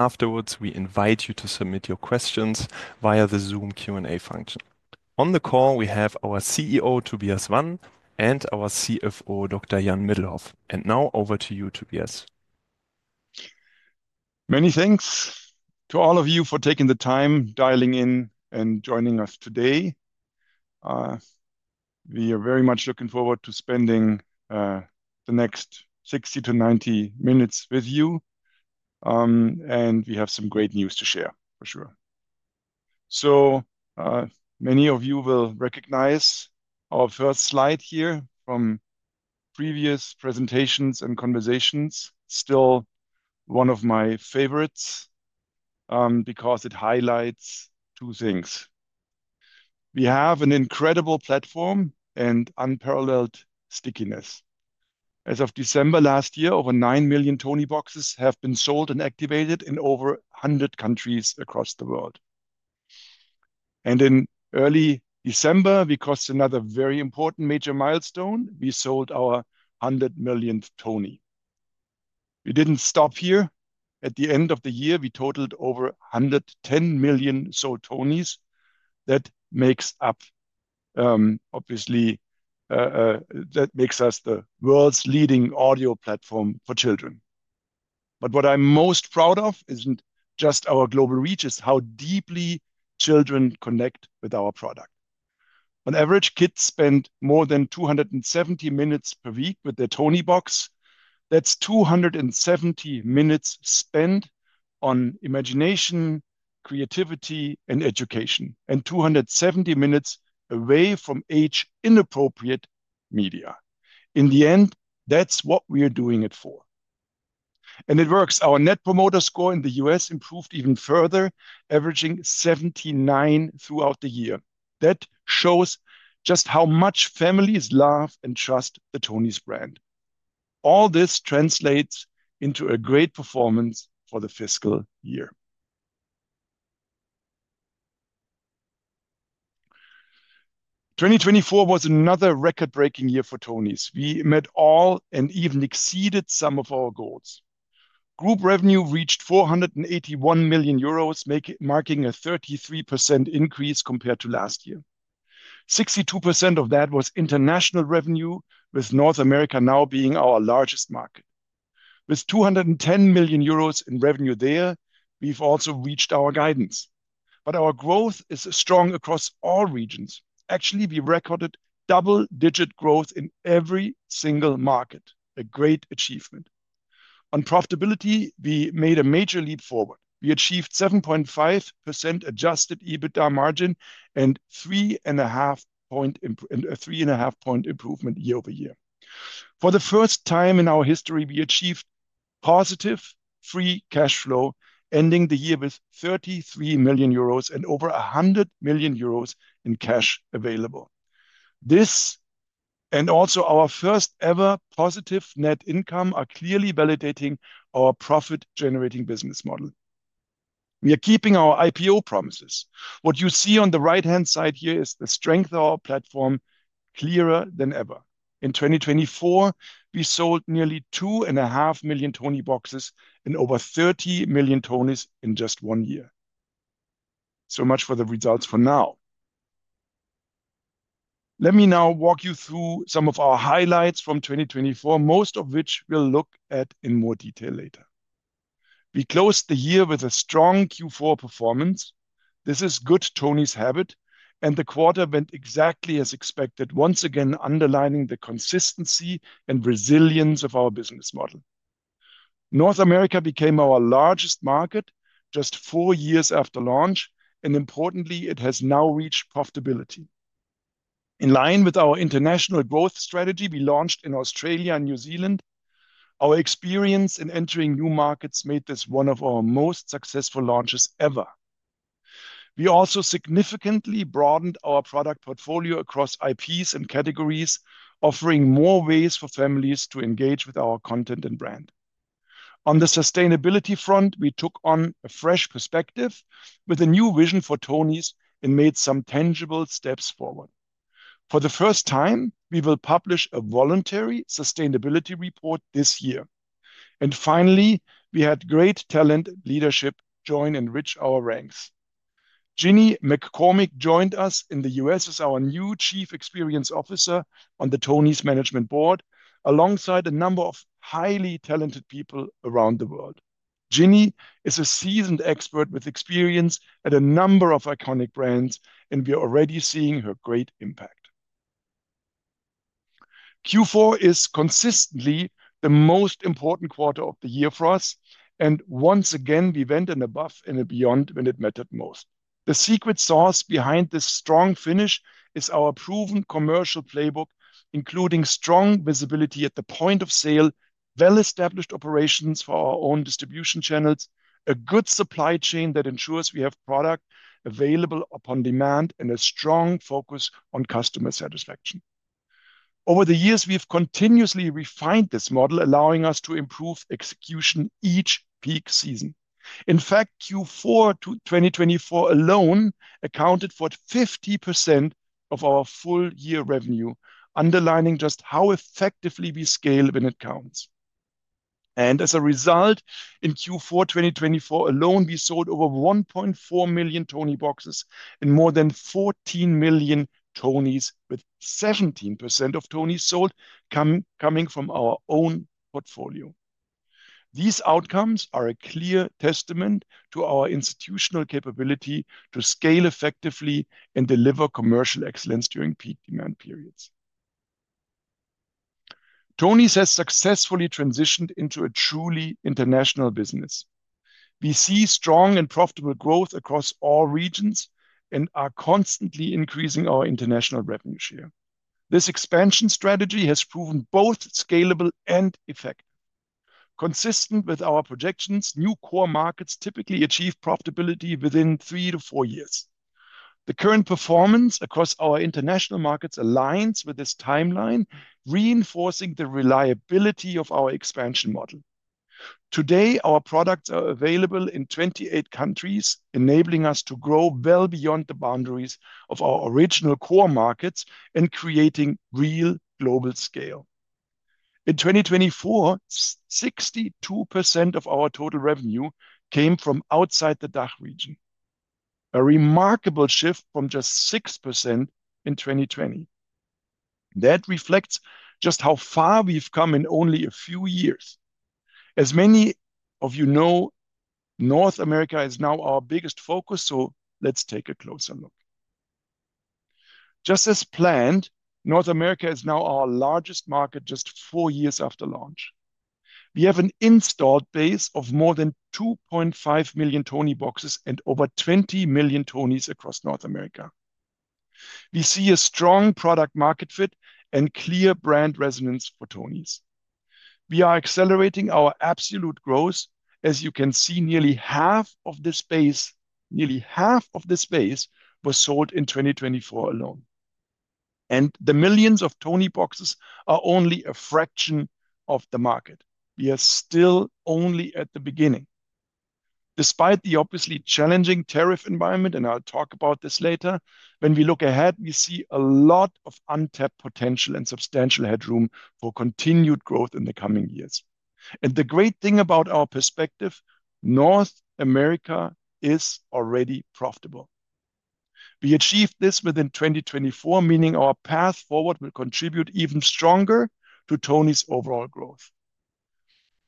Afterwards, we invite you to submit your questions via the Zoom Q&A function. On the call, we have our CEO, Tobias Wann, and our CFO, Dr. Jan Middelhoff. Now, over to you, Tobias. Many thanks to all of you for taking the time, dialing in, and joining us today. We are very much looking forward to spending the next 60-90 minutes with you. We have some great news to share, for sure. Many of you will recognize our first slide here from previous presentations and conversations, still one of my favorites, because it highlights two things. We have an incredible platform and unparalleled stickiness. As of December last year, over 9 million Tonieboxes have been sold and activated in over 100 countries across the world. In early December, we crossed another very important major milestone: we sold our 100 million Tonie. We did not stop here. At the end of the year, we totaled over 110 million sold tonies. That makes us the world's leading audio platform for children. What I'm most proud of isn't just our global reach; it's how deeply children connect with our product. On average, kids spend more than 270 minutes per week with their Toniebox. That's 270 minutes spent on imagination, creativity, and education, and 270 minutes away from age-inappropriate media. In the end, that's what we are doing it for. It works. Our Net Promoter Score in the US improved even further, averaging 79 throughout the year. That shows just how much families love and trust the tonies brand. All this translates into a great performance for the fiscal year. 2024 was another record-breaking year for tonies. We met all and even exceeded some of our goals. Group revenue reached 481 million euros, marking a 33% increase compared to last year. 62% of that was international revenue, with North America now being our largest market. With 210 million euros in revenue there, we've also reached our guidance. Our growth is strong across all regions. Actually, we recorded double-digit growth in every single market, a great achievement. On profitability, we made a major leap forward. We achieved a 7.5% Adjusted EBITDA margin and a 3.5 percentage point improvement Year-over-Year. For the first time in our history, we achieved positive free cash flow, ending the year with 33 million euros and over 100 million euros in cash available. This, and also our first-ever positive net income, are clearly validating our profit-generating business model. We are keeping our IPO promises. What you see on the right-hand side here is the strength of our platform, clearer than ever. In 2024, we sold nearly 2.5 million Tonieboxes and over 30 million tonies in just one year. So much for the results for now. Let me now walk you through some of our highlights from 2024, most of which we'll look at in more detail later. We closed the year with a strong Q4 performance. This is good tonies habit. The quarter went exactly as expected, once again underlining the consistency and resilience of our business model. North America became our largest market just four years after launch, and importantly, it has now reached profitability. In line with our international growth strategy we launched in Australia and New Zealand, our experience in entering new markets made this one of our most successful launches ever. We also significantly broadened our product portfolio across IPs and categories, offering more ways for families to engage with our content and brand. On the sustainability front, we took on a fresh perspective with a new vision for tonies and made some tangible steps forward. For the first time, we will publish a voluntary sustainability report this year. Finally, we had great talent leadership join and reach our ranks. Ginny McCormick joined us in the US as our new Chief Experience Officer on the tonies Management Board, alongside a number of highly talented people around the world. Ginny is a seasoned expert with experience at a number of iconic brands, and we are already seeing her great impact. Q4 is consistently the most important quarter of the year for us, and once again, we went above and beyond when it mattered most. The secret sauce behind this strong finish is our proven commercial playbook, including strong visibility at the point of sale, well-established operations for our own distribution channels, a good supply chain that ensures we have product available upon demand, and a strong focus on customer satisfaction. Over the years, we've continuously refined this model, allowing us to improve execution each peak season. In fact, Q4 2024 alone accounted for 50% of our full year revenue, underlining just how effectively we scale when it counts. As a result, in Q4 2024 alone, we sold over 1.4 million Tonieboxes and more than 14 million tonies, with 17% of tonies sold coming from our own portfolio. These outcomes are a clear testament to our institutional capability to scale effectively and deliver commercial excellence during peak demand periods. tonies has successfully transitioned into a truly international business. We see strong and profitable growth across all regions and are constantly increasing our international revenue share. This expansion strategy has proven both scalable and effective. Consistent with our projections, new core markets typically achieve profitability within three to four years. The current performance across our international markets aligns with this timeline, reinforcing the reliability of our expansion model. Today, our products are available in 28 countries, enabling us to grow well beyond the boundaries of our original core markets and creating real global scale. In 2024, 62% of our total revenue came from outside the DACH region, a remarkable shift from just 6% in 2020. That reflects just how far we've come in only a few years. As many of you know, North America is now our biggest focus, so let's take a closer look. Just as planned, North America is now our largest market just four years after launch. We have an installed base of more than 2.5 million Tonieboxes and over 20 million tonies across North America. We see a strong product-market fit and clear brand resonance for tonies. We are accelerating our absolute growth. As you can see, nearly half of this space was sold in 2024 alone. And the millions of Tonieboxes are only a fraction of the market. We are still only at the beginning. Despite the obviously challenging tariff environment, and I'll talk about this later, when we look ahead, we see a lot of untapped potential and substantial headroom for continued growth in the coming years. The great thing about our perspective, North America is already profitable. We achieved this within 2024, meaning our path forward will contribute even stronger to tonies' overall growth.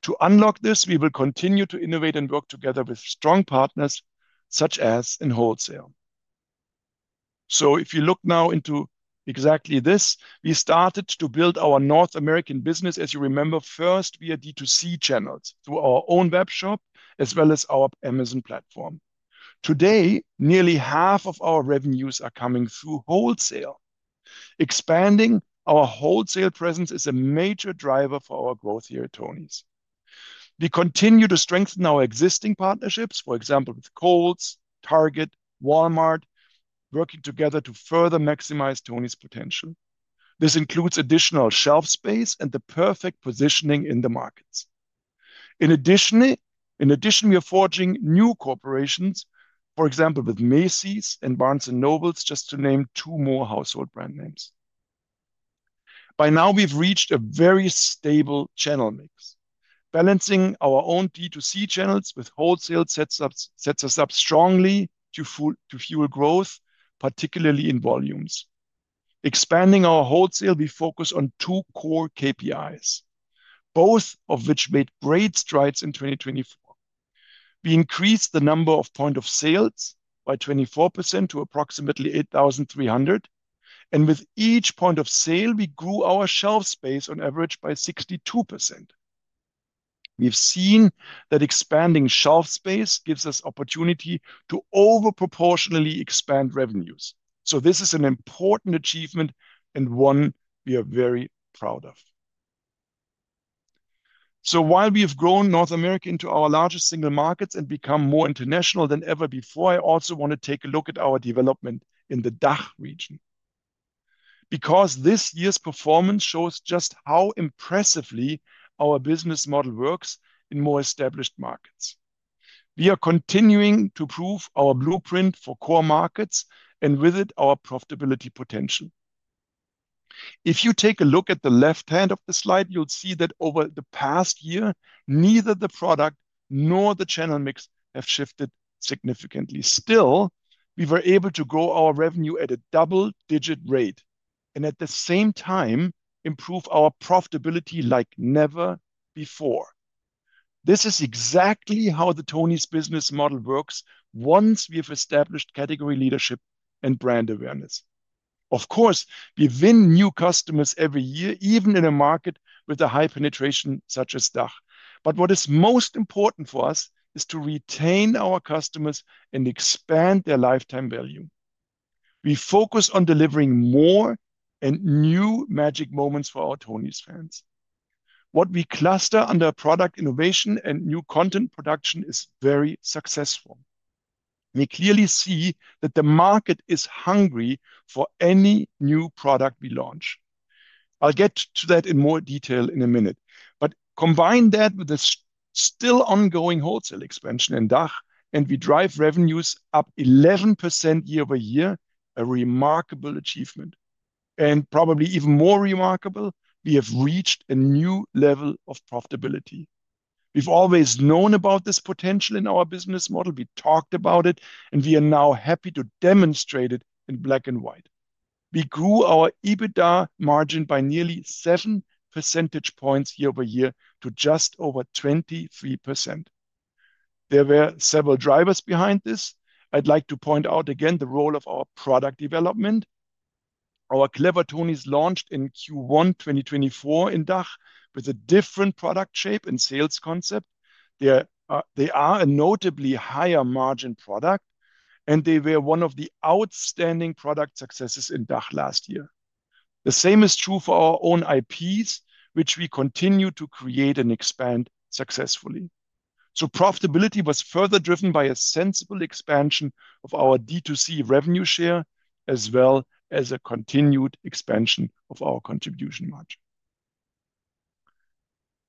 To unlock this, we will continue to innovate and work together with strong partners such as in wholesale. If you look now into exactly this, we started to build our North American business, as you remember, first via D2C channels through our own web shop as well as our Amazon platform. Today, nearly half of our revenues are coming through wholesale. Expanding our wholesale presence is a major driver for our growth here at tonies. We continue to strengthen our existing partnerships, for example, with Coles, Target, Walmart, working together to further maximize tonies' potential. This includes additional shelf space and the perfect positioning in the markets. In addition, we are forging new corporations, for example, with Macy's and Barnes & Noble, just to name two more household brand names. By now, we've reached a very stable channel mix, balancing our own D2C channels with wholesale sets us up strongly to fuel growth, particularly in volumes. Expanding our wholesale, we focus on two core KPIs, both of which made great strides in 2024. We increased the number of point of sales by 24% to approximately 8,300. With each point of sale, we grew our shelf space on average by 62%. We have seen that expanding shelf space gives us opportunity to overproportionally expand revenues. This is an important achievement and one we are very proud of. While we have grown North America into our largest single markets and become more international than ever before, I also want to take a look at our development in the DACH region, because this year's performance shows just how impressively our business model works in more established markets. We are continuing to prove our blueprint for core markets and with it, our profitability potential. If you take a look at the left hand of the slide, you'll see that over the past year, neither the product nor the channel mix have shifted significantly. Still, we were able to grow our revenue at a double-digit rate and at the same time improve our profitability like never before. This is exactly how the tonies business model works once we have established category leadership and brand awareness. Of course, we win new customers every year, even in a market with a high penetration such as DACH. What is most important for us is to retain our customers and expand their lifetime value. We focus on delivering more and new magic moments for our tonies fans. What we cluster under product innovation and new content production is very successful. We clearly see that the market is hungry for any new product we launch. I'll get to that in more detail in a minute. Combine that with the still ongoing wholesale expansion in DACH, and we drive revenues up 11% Year-over-Year, a remarkable achievement. Probably even more remarkable, we have reached a new level of profitability. We've always known about this potential in our business model. We talked about it, and we are now happy to demonstrate it in black and white. We grew our EBITDA margin by nearly 7 percentage points Year-over-Year to just over 23%. There were several drivers behind this. I'd like to point out again the role of our product development. Our Clever tonies launched in Q1 2024 in DACH with a different product shape and sales concept. They are a notably higher margin product, and they were one of the outstanding product successes in DACH last year. The same is true for our own IPs, which we continue to create and expand successfully. Profitability was further driven by a sensible expansion of our D2C revenue share, as well as a continued expansion of our contribution margin.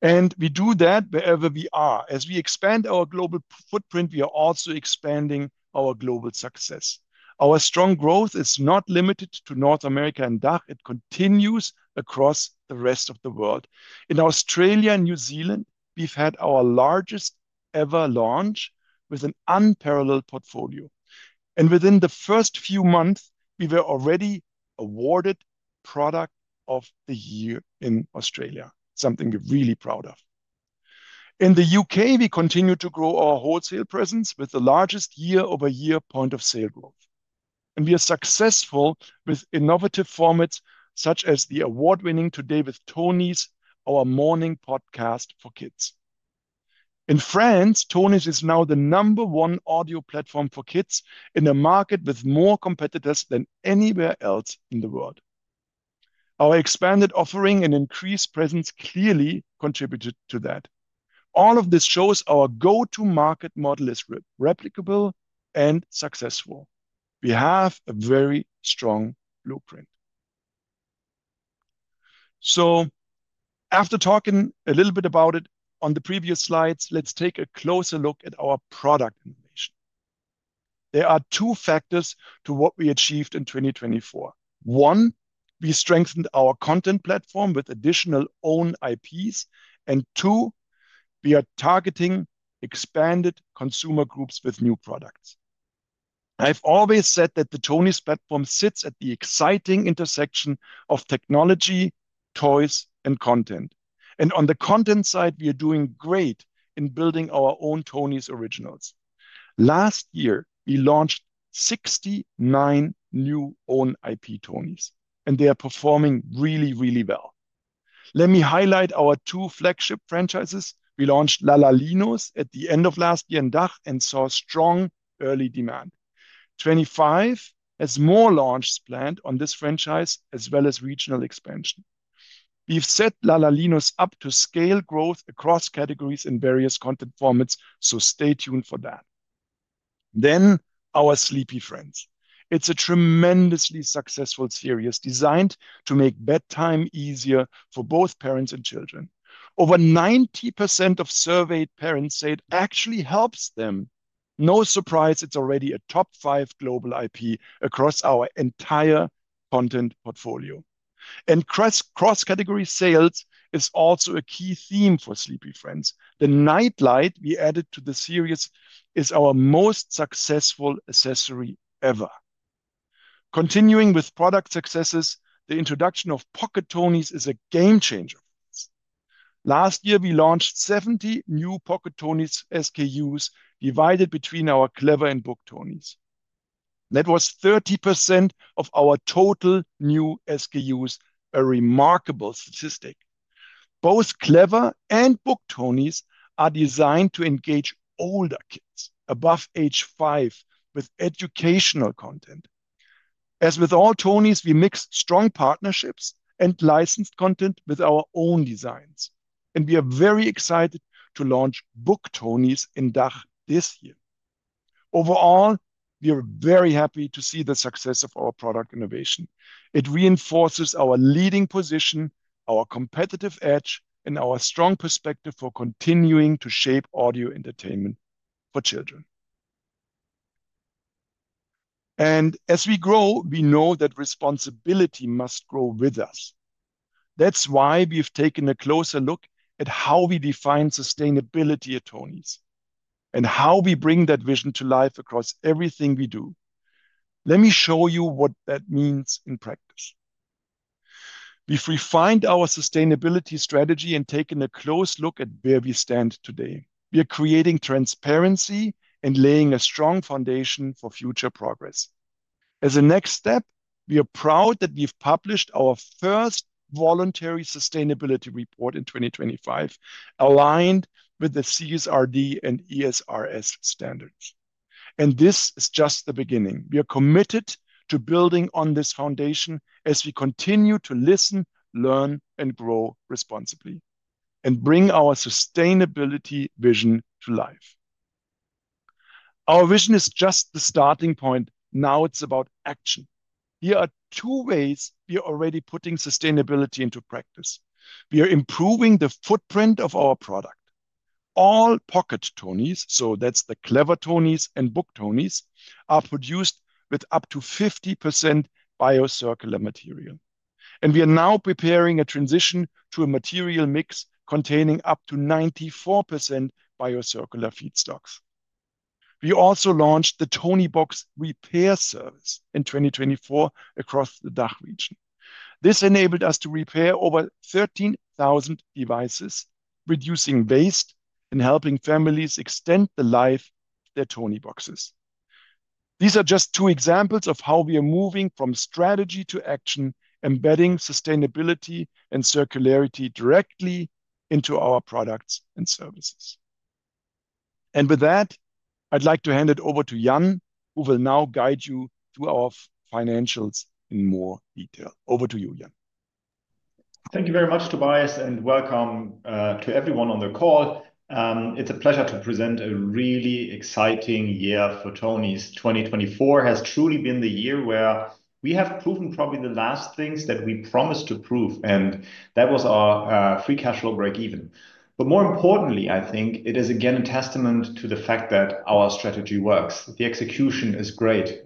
We do that wherever we are. As we expand our global footprint, we are also expanding our global success. Our strong growth is not limited to North America and DACH. It continues across the rest of the world. In Australia and New Zealand, we have had our largest ever launch with an unparalleled portfolio. Within the first few months, we were already awarded Product of the Year in Australia, something we are really proud of. In the U.K., we continue to grow our wholesale presence with the largest Year-over-Year point of sale growth. We are successful with innovative formats such as the award-winning Today with tonies, our morning podcast for kids. In France, tonies is now the number one audio platform for kids in a market with more competitors than anywhere else in the world. Our expanded offering and increased presence clearly contributed to that. All of this shows our go-to-market model is replicable and successful. We have a very strong blueprint. After talking a little bit about it on the previous slides, let's take a closer look at our product innovation. There are two factors to what we achieved in 2024. One, we strengthened our content platform with additional own IPs. Two, we are targeting expanded consumer groups with new products. I've always said that the tonies platform sits at the exciting intersection of technology, toys, and content. On the content side, we are doing great in building our own tonies originals. Last year, we launched 69 new own IP tonies, and they are performing really, really well. Let me highlight our two flagship franchises. We launched La La Linos at the end of last year in DACH and saw strong early demand. 25 has more launches planned on this franchise as well as regional expansion. We have set La La Linos up to scale growth across categories in various content formats, so stay tuned for that. Our Sleepy Friends is a tremendously successful series designed to make bedtime easier for both parents and children. Over 90% of surveyed parents say it actually helps them. No surprise, it is already a top five global IP across our entire content portfolio. Cross-category sales is also a key theme for Sleepy Friends. The Night Light we added to the series is our most successful accessory ever. Continuing with product successes, the introduction of Pocket tonies is a game changer. Last year, we launched 70 new Pocket Tonies SKUs divided between our Clever and Book Tonies. That was 30% of our total new SKUs, a remarkable statistic. Both Clever and Book Tonies are designed to engage older kids above age five with educational content. As with all tonies, we mix strong partnerships and licensed content with our own designs. We are very excited to launch Book Tonies in DACH this year. Overall, we are very happy to see the success of our product innovation. It reinforces our leading position, our competitive edge, and our strong perspective for continuing to shape audio entertainment for children. As we grow, we know that responsibility must grow with us. That's why we've taken a closer look at how we define sustainability at tonies and how we bring that vision to life across everything we do. Let me show you what that means in practice. We've refined our sustainability strategy and taken a close look at where we stand today. We are creating transparency and laying a strong foundation for future progress. As a next step, we are proud that we've published our first voluntary sustainability report in 2025, aligned with the CSRD and ESRS standards. This is just the beginning. We are committed to building on this foundation as we continue to listen, learn, and grow responsibly and bring our sustainability vision to life. Our vision is just the starting point. Now it's about action. Here are two ways we are already putting sustainability into practice. We are improving the footprint of our product. All Pocket tonies, so that's the Clever tonies and Book Tonies, are produced with up to 50% Bio-circular material. We are now preparing a transition to a material mix containing up to 94% Bio-circular feedstocks. We also launched the Toniebox Repair Service in 2024 across the DACH region. This enabled us to repair over 13,000 devices, reducing waste and helping families extend the life of their Tonieboxes. These are just two examples of how we are moving from strategy to action, embedding sustainability and circularity directly into our products and services. I would like to hand it over to Jan, who will now guide you through our financials in more detail. Over to you, Jan. Thank you very much, Tobias, and welcome to everyone on the call. It's a pleasure to present a really exciting year for tonies. 2024 has truly been the year where we have proven probably the last things that we promised to prove, and that was our free cash flow break-even. More importantly, I think it is again a testament to the fact that our strategy works. The execution is great.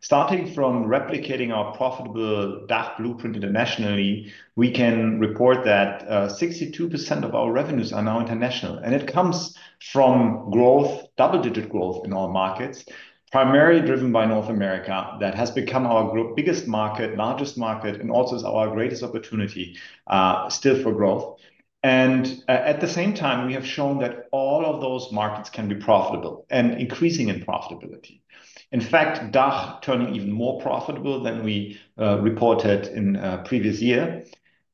Starting from replicating our profitable DACH blueprint internationally, we can report that 62% of our revenues are now international, and it comes from growth, double-digit growth in our markets, primarily driven by North America. That has become our biggest market, largest market, and also is our greatest opportunity still for growth. At the same time, we have shown that all of those markets can be profitable and increasing in profitability. In fact, DACH turning even more profitable than we reported in a previous year.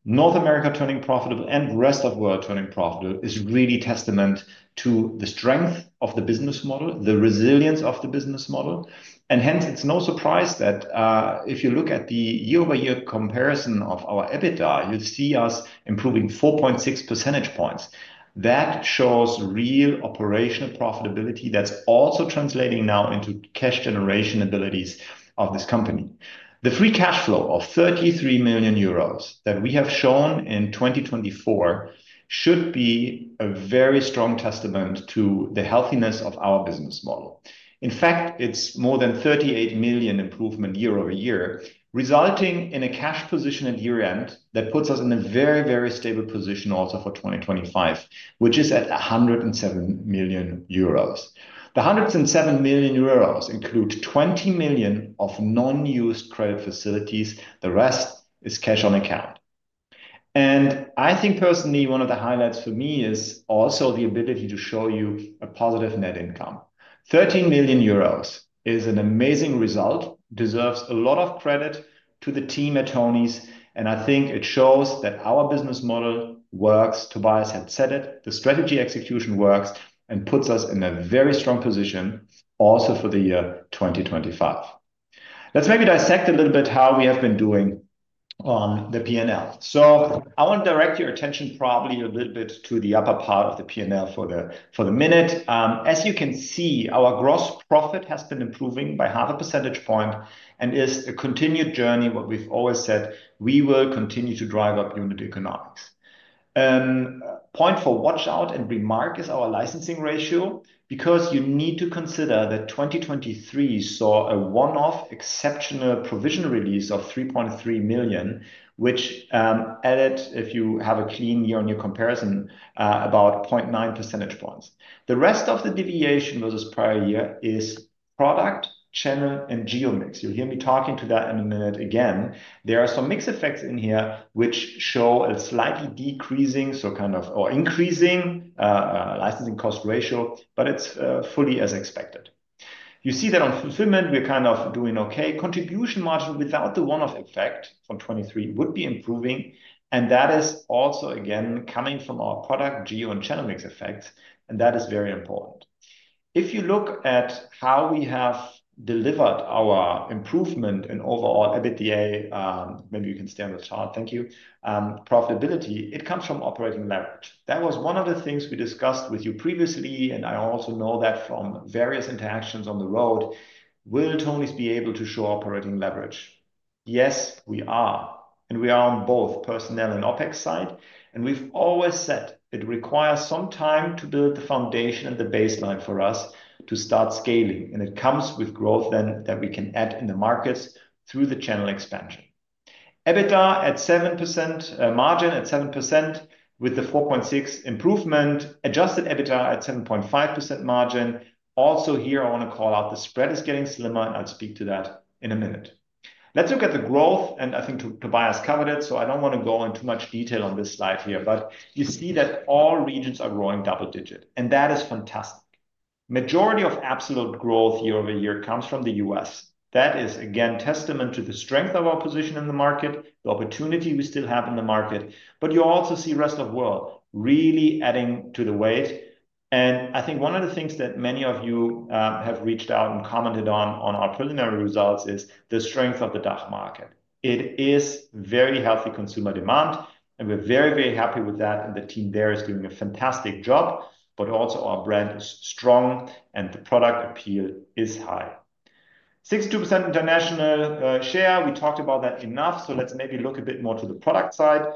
North America turning profitable and the rest of the world turning profitable is really a testament to the strength of the business model, the resilience of the business model. It is no surprise that if you look at the Year-over-Year comparison of our EBITDA, you'll see us improving 4.6 percentage points. That shows real operational profitability that's also translating now into cash generation abilities of this company. The free cash flow of 33 million euros that we have shown in 2024 should be a very strong testament to the healthiness of our business model. In fact, it's more than 38 million improvement Year-over-Year, resulting in a cash position at year-end that puts us in a very, very stable position also for 2025, which is at 107 million euros. The 107 million euros includes 20 million of non-used credit facilities. The rest is cash on account. I think personally, one of the highlights for me is also the ability to show you a positive net income. 13 million euros is an amazing result, deserves a lot of credit to the team at tonies. I think it shows that our business model works. Tobias had said it. The strategy execution works and puts us in a very strong position also for the year 2025. Let's maybe dissect a little bit how we have been doing on the P&L. I want to direct your attention probably a little bit to the upper part of the P&L for the minute. As you can see, our gross profit has been improving by half a percentage point and is a continued journey. What we've always said, we will continue to drive up unit economics. Point for watch out and remark is our licensing ratio because you need to consider that 2023 saw a one-off exceptional provision release of 3.3 million, which added, if you have a clean year on your comparison, about 0.9 percentage points. The rest of the deviation versus prior year is product, channel, and geo mix. You'll hear me talking to that in a minute again. There are some mixed effects in here, which show a slightly decreasing, so kind of, or increasing licensing cost ratio, but it's fully as expected. You see that on fulfillment, we're kind of doing okay. Contribution margin without the one-off effect from 2023 would be improving. That is also, again, coming from our product, geo and channel mix effects. That is very important. If you look at how we have delivered our improvement in overall EBITDA, maybe you can stand with Tob, thank you, profitability, it comes from operating leverage. That was one of the things we discussed with you previously, and I also know that from various interactions on the road. Will tonies be able to show operating leverage? Yes, we are. We are on both personnel and OpEx side. We have always said it requires some time to build the foundation and the baseline for us to start scaling. It comes with growth then that we can add in the markets through the channel expansion. EBITDA at 7%, margin at 7% with the 4.6 improvement, Adjusted EBITDA at 7.5% margin. Also here, I want to call out the spread is getting slimmer, and I'll speak to that in a minute. Let's look at the growth, and I think Tobias covered it, so I don't want to go into much detail on this slide here, but you see that all regions are growing double-digit, and that is fantastic. Majority of absolute growth Year-over-Year comes from the US. That is, again, a testament to the strength of our position in the market, the opportunity we still have in the market. You also see the rest of the world really adding to the weight. I think one of the things that many of you have reached out and commented on on our preliminary results is the strength of the DACH market. It is very healthy consumer demand, and we're very, very happy with that. The team there is doing a fantastic job, but also our brand is strong and the product appeal is high. 62% international share, we talked about that enough, so let's maybe look a bit more to the product side.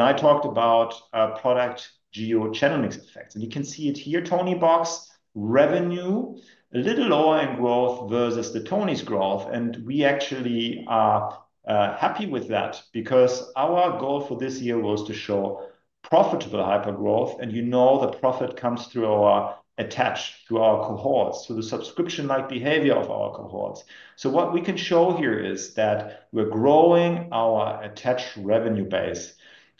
I talked about product geo channel mix effects, and you can see it here, Toniebox revenue, a little lower in growth versus the tonies growth. We actually are happy with that because our goal for this year was to show profitable hypergrowth. You know the profit comes through our attached to our cohorts, so the subscription-like behavior of our cohorts. What we can show here is that we're growing our attached revenue base,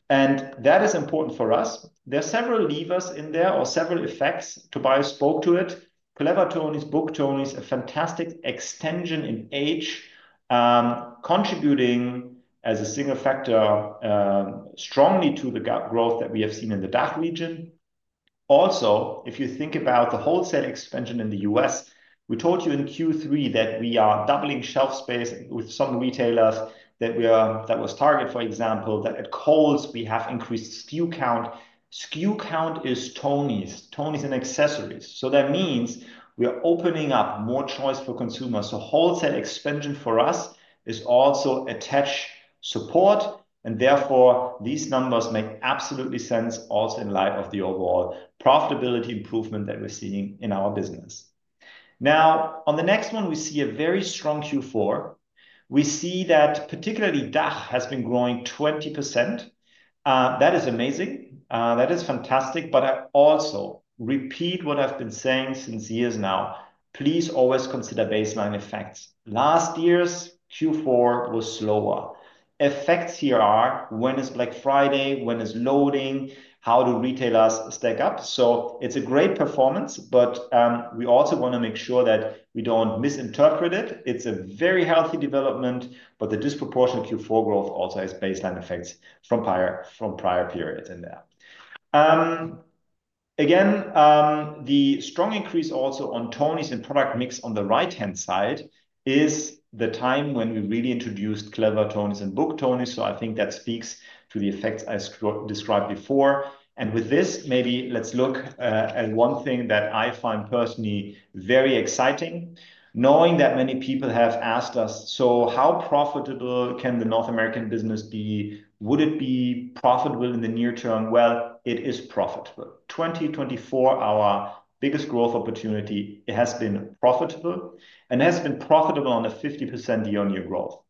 and that is important for us. There are several levers in there or several effects. Tobias spoke to it. Clever Tonies, Book Tonies are a fantastic extension in age, contributing as a single factor strongly to the growth that we have seen in the DACH region. Also, if you think about the wholesale expansion in the US, we told you in Q3 that we are doubling shelf space with some retailers that were targeted, for example, that at Target, we have increased SKU count. SKU count is tonies. tonies and accessories. That means we are opening up more choice for consumers. Wholesale expansion for us is also attached support, and therefore these numbers make absolutely sense also in light of the overall profitability improvement that we're seeing in our business. Now, on the next one, we see a very strong Q4. We see that particularly DACH has been growing 20%. That is amazing. That is fantastic. I also repeat what I've been saying since years now. Please always consider baseline effects. Last year's Q4 was slower. Effects here are when is Black Friday, when is loading, how do retailers stack up? It's a great performance, but we also want to make sure that we don't misinterpret it. It's a very healthy development, but the disproportionate Q4 growth also has baseline effects from prior periods in there. Again, the strong increase also on tonies and product mix on the right-hand side is the time when we really introduced Clever Tonies and Book Tonies. I think that speaks to the effects I described before. With this, maybe let's look at one thing that I find personally very exciting. Knowing that many people have asked us, how profitable can the North American business be? Would it be profitable in the near term? It is profitable. 2024, our biggest growth opportunity has been profitable and has been profitable on a 50% year-on-year growth.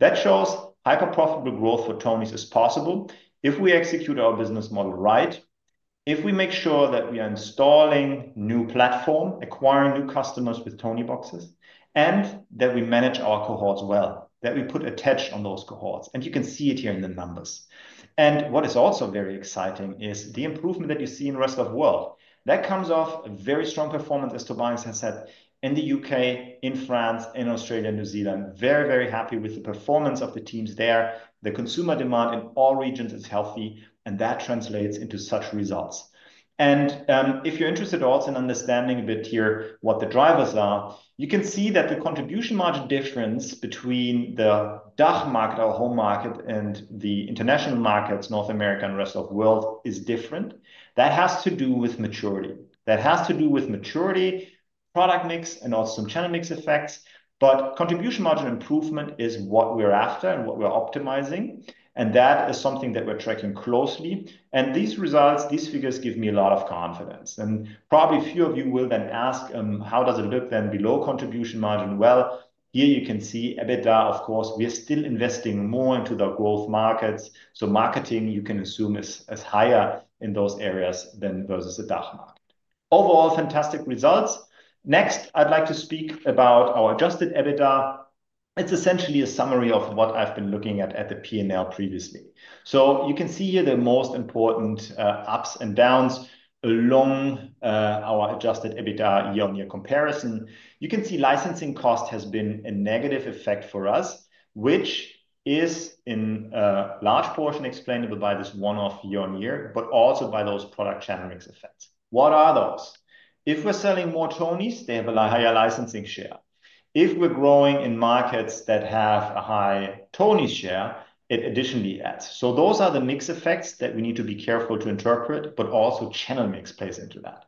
That shows hyper-profitable growth for tonies is possible if we execute our business model right, if we make sure that we are installing new platform, acquiring new customers with Tonieboxes, and that we manage our cohorts well, that we put attached on those cohorts. You can see it here in the numbers. What is also very exciting is the improvement that you see in the rest of the world. That comes off a very strong performance, as Tobias has said, in the U.K., in France, in Australia, New Zealand. Very, very happy with the performance of the teams there. The consumer demand in all regions is healthy, and that translates into such results. If you're interested also in understanding a bit here what the drivers are, you can see that the contribution margin difference between the DACH market, our home market, and the international markets, North America and rest of the world, is different. That has to do with maturity. That has to do with maturity, product mix, and also some channel mix effects. Contribution margin improvement is what we're after and what we're optimizing. That is something that we're tracking closely. These results, these figures give me a lot of confidence. Probably a few of you will then ask, how does it look then below contribution margin? Here you can see EBITDA, of course, we're still investing more into the growth markets. Marketing, you can assume, is higher in those areas than versus the DACH market. Overall, fantastic results. Next, I'd like to speak about our Adjusted EBITDA. It's essentially a summary of what I've been looking at at the P&L previously. You can see here the most important ups and downs along our Adjusted EBITDA year-on-year comparison. You can see licensing cost has been a negative effect for us, which is in large portion explainable by this one-off year-on-year, but also by those product channel mix effects. What are those? If we're selling more tonies, they have a higher licensing share. If we're growing in markets that have a high tonies share, it additionally adds. Those are the mix effects that we need to be careful to interpret, but also channel mix plays into that.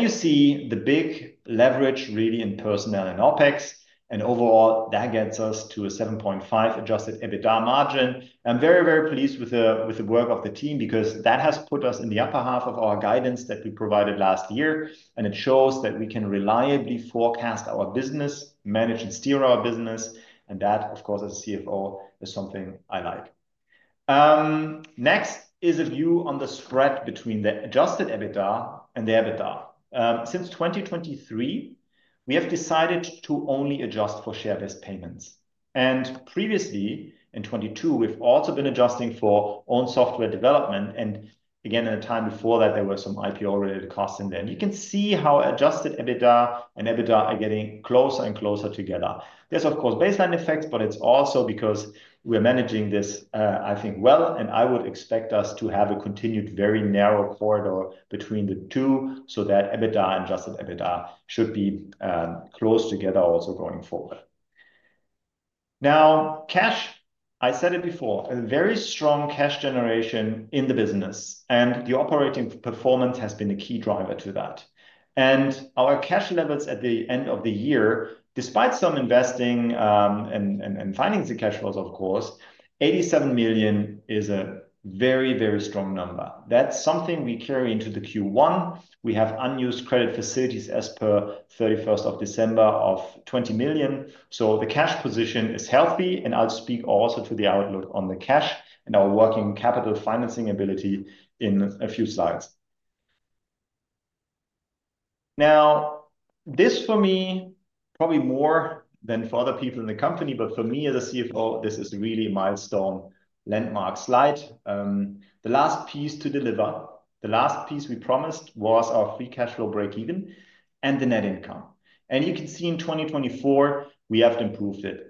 You see the big leverage really in personnel and OpEx. Overall, that gets us to a 7.5% Adjusted EBITDA margin. I'm very, very pleased with the work of the team because that has put us in the upper half of our guidance that we provided last year. It shows that we can reliably forecast our business, manage and steer our business. That, of course, as a CFO, is something I like. Next is a view on the spread between the Adjusted EBITDA and the EBITDA. Since 2023, we have decided to only adjust for share-based payments. Previously, in 2022, we've also been adjusting for own software development. Again, in the time before that, there were some IPO-related costs in there. You can see how Adjusted EBITDA and EBITDA are getting closer and closer together. There are, of course, baseline effects, but it's also because we're managing this, I think, well. I would expect us to have a continued very narrow corridor between the two so that EBITDA and Adjusted EBITDA should be close together also going forward. Now, cash, I said it before, a very strong cash generation in the business. The operating performance has been a key driver to that. Our cash levels at the end of the year, despite some investing and funding the cash flows, of course, 87 million is a very, very strong number. That is something we carry into the Q1. We have unused credit facilities as per 31 December of 20 million. The cash position is healthy. I will speak also to the outlook on the cash and our working capital financing ability in a few slides. Now, this for me, probably more than for other people in the company, but for me as a CFO, this is really a milestone landmark slide. The last piece to deliver, the last piece we promised was our free cash flow breakeven and the net income. You can see in 2024, we have to improve it.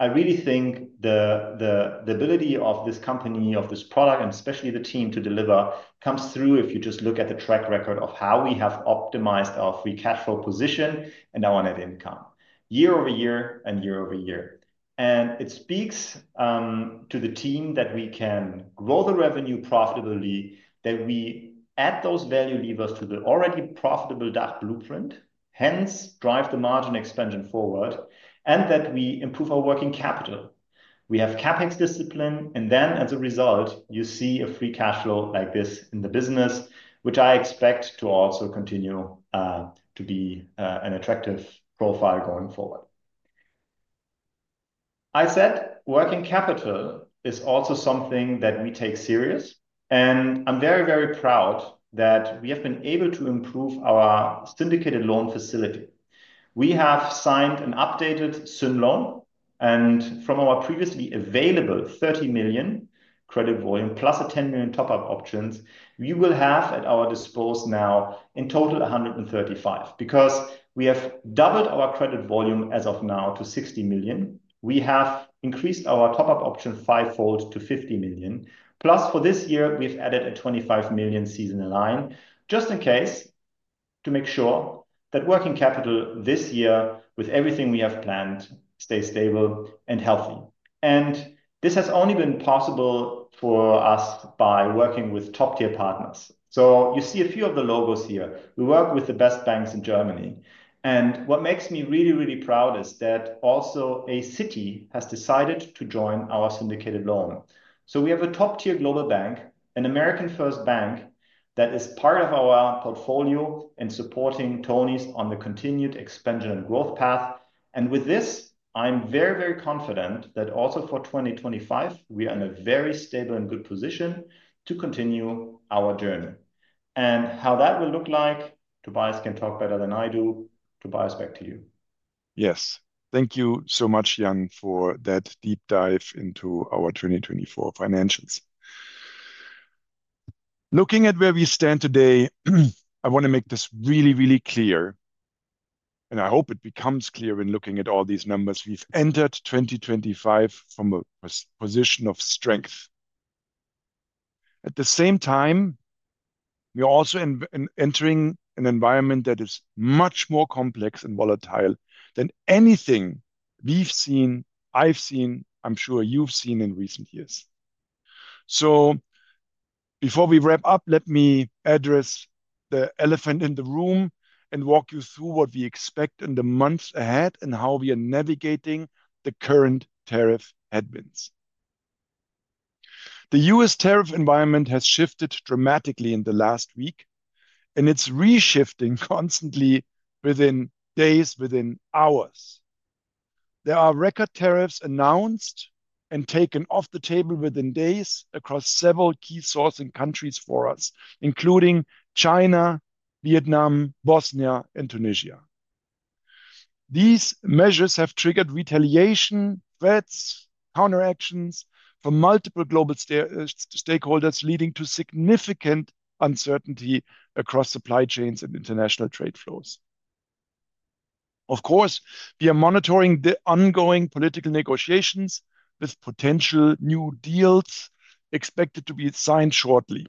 I really think the ability of this company, of this product, and especially the team to deliver comes through if you just look at the track record of how we have optimized our free cash flow position and our net income Year-over-Year and Year-over-Year. It speaks to the team that we can grow the revenue profitably, that we add those value levers to the already profitable DACH blueprint, hence drive the margin expansion forward, and that we improve our working capital. We have CapEx discipline. As a result, you see a free cash flow like this in the business, which I expect to also continue to be an attractive profile going forward. I said working capital is also something that we take serious. I am very, very proud that we have been able to improve our syndicated loan facility. We have signed an updated syndicated loan. From our previously available 30 million credit volume plus a 10 million top-up option, we will have at our disposal now in total 135 million because we have doubled our credit volume as of now to 60 million. We have increased our top-up option fivefour to 50 million. Plus, for this year, we have added a 25 million seasonal line just in case to make sure that working capital this year, with everything we have planned, stays stable and healthy. This has only been possible for us by working with top-tier partners. You see a few of the logos here. We work with the best banks in Germany. What makes me really, really proud is that also Citi has decided to join our syndicated loan. We have a top-tier global bank, an American-first bank that is part of our portfolio and supporting tonies on the continued expansion and growth path. With this, I am very, very confident that also for 2025, we are in a very stable and good position to continue our journey. How that will look like, Tobias can talk better than I do. Tobias, back to you. Yes. Thank you so much, Jan, for that deep dive into our 2024 financials. Looking at where we stand today, I want to make this really, really clear. I hope it becomes clear when looking at all these numbers. We have entered 2025 from a position of strength. At the same time, we are also entering an environment that is much more complex and volatile than anything we have seen, I have seen, I am sure you have seen in recent years. Before we wrap up, let me address the elephant in the room and walk you through what we expect in the months ahead and how we are navigating the current tariff headwinds. The U.S. tariff environment has shifted dramatically in the last week, and it is reshifting constantly within days, within hours. There are record tariffs announced and taken off the table within days across several key sourcing countries for us, including China, Vietnam, Bosnia, and Tunisia. These measures have triggered retaliation threats, counteractions from multiple global stakeholders, leading to significant uncertainty across supply chains and international trade flows. Of course, we are monitoring the ongoing political negotiations with potential new deals expected to be signed shortly.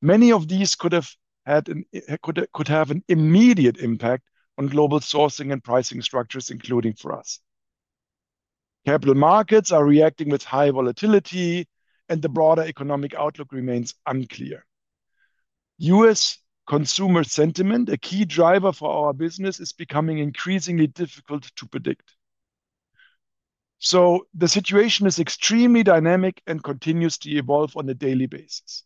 Many of these could have had an immediate impact on global sourcing and pricing structures, including for us. Capital Markets are reacting with high volatility, and the broader economic outlook remains unclear. U.S. consumer sentiment, a key driver for our business, is becoming increasingly difficult to predict. The situation is extremely dynamic and continues to evolve on a daily basis.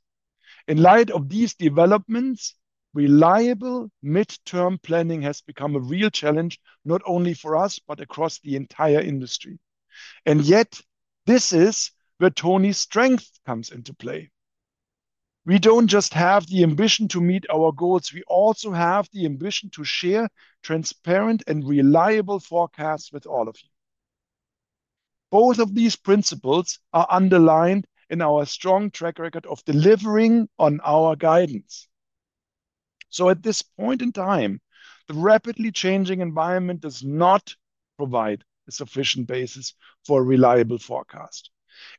In light of these developments, reliable midterm planning has become a real challenge not only for us, but across the entire industry. Yet, this is where tonies' strength comes into play. We do not just have the ambition to meet our goals. We also have the ambition to share transparent and reliable forecasts with all of you. Both of these principles are underlined in our strong track record of delivering on our guidance. At this point in time, the rapidly changing environment does not provide a sufficient basis for a reliable forecast.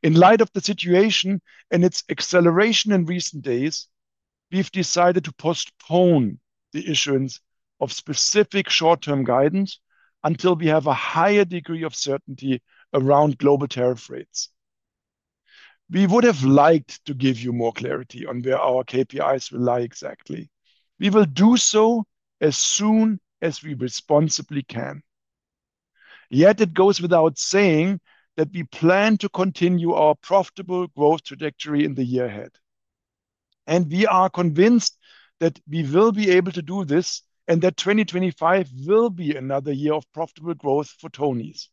In light of the situation and its acceleration in recent days, we've decided to postpone the issuance of specific short-term guidance until we have a higher degree of certainty around global tariff rates. We would have liked to give you more clarity on where our KPIs will lie exactly. We will do so as soon as we responsibly can. Yet it goes without saying that we plan to continue our profitable growth trajectory in the year ahead. We are convinced that we will be able to do this and that 2025 will be another year of profitable growth for tonies.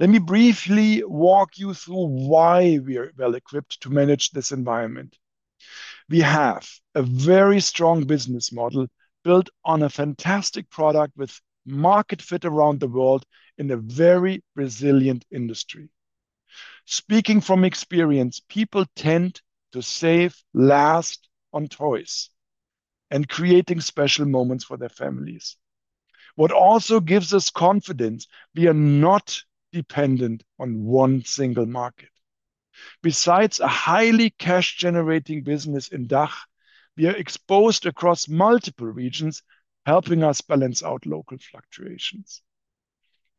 Let me briefly walk you through why we are well equipped to manage this environment. We have a very strong business model built on a fantastic product with market fit around the world in a very resilient industry. Speaking from experience, people tend to save last on toys and creating special moments for their families. What also gives us confidence, we are not dependent on one single market. Besides a highly cash-generating business in DACH, we are exposed across multiple regions, helping us balance out local fluctuations.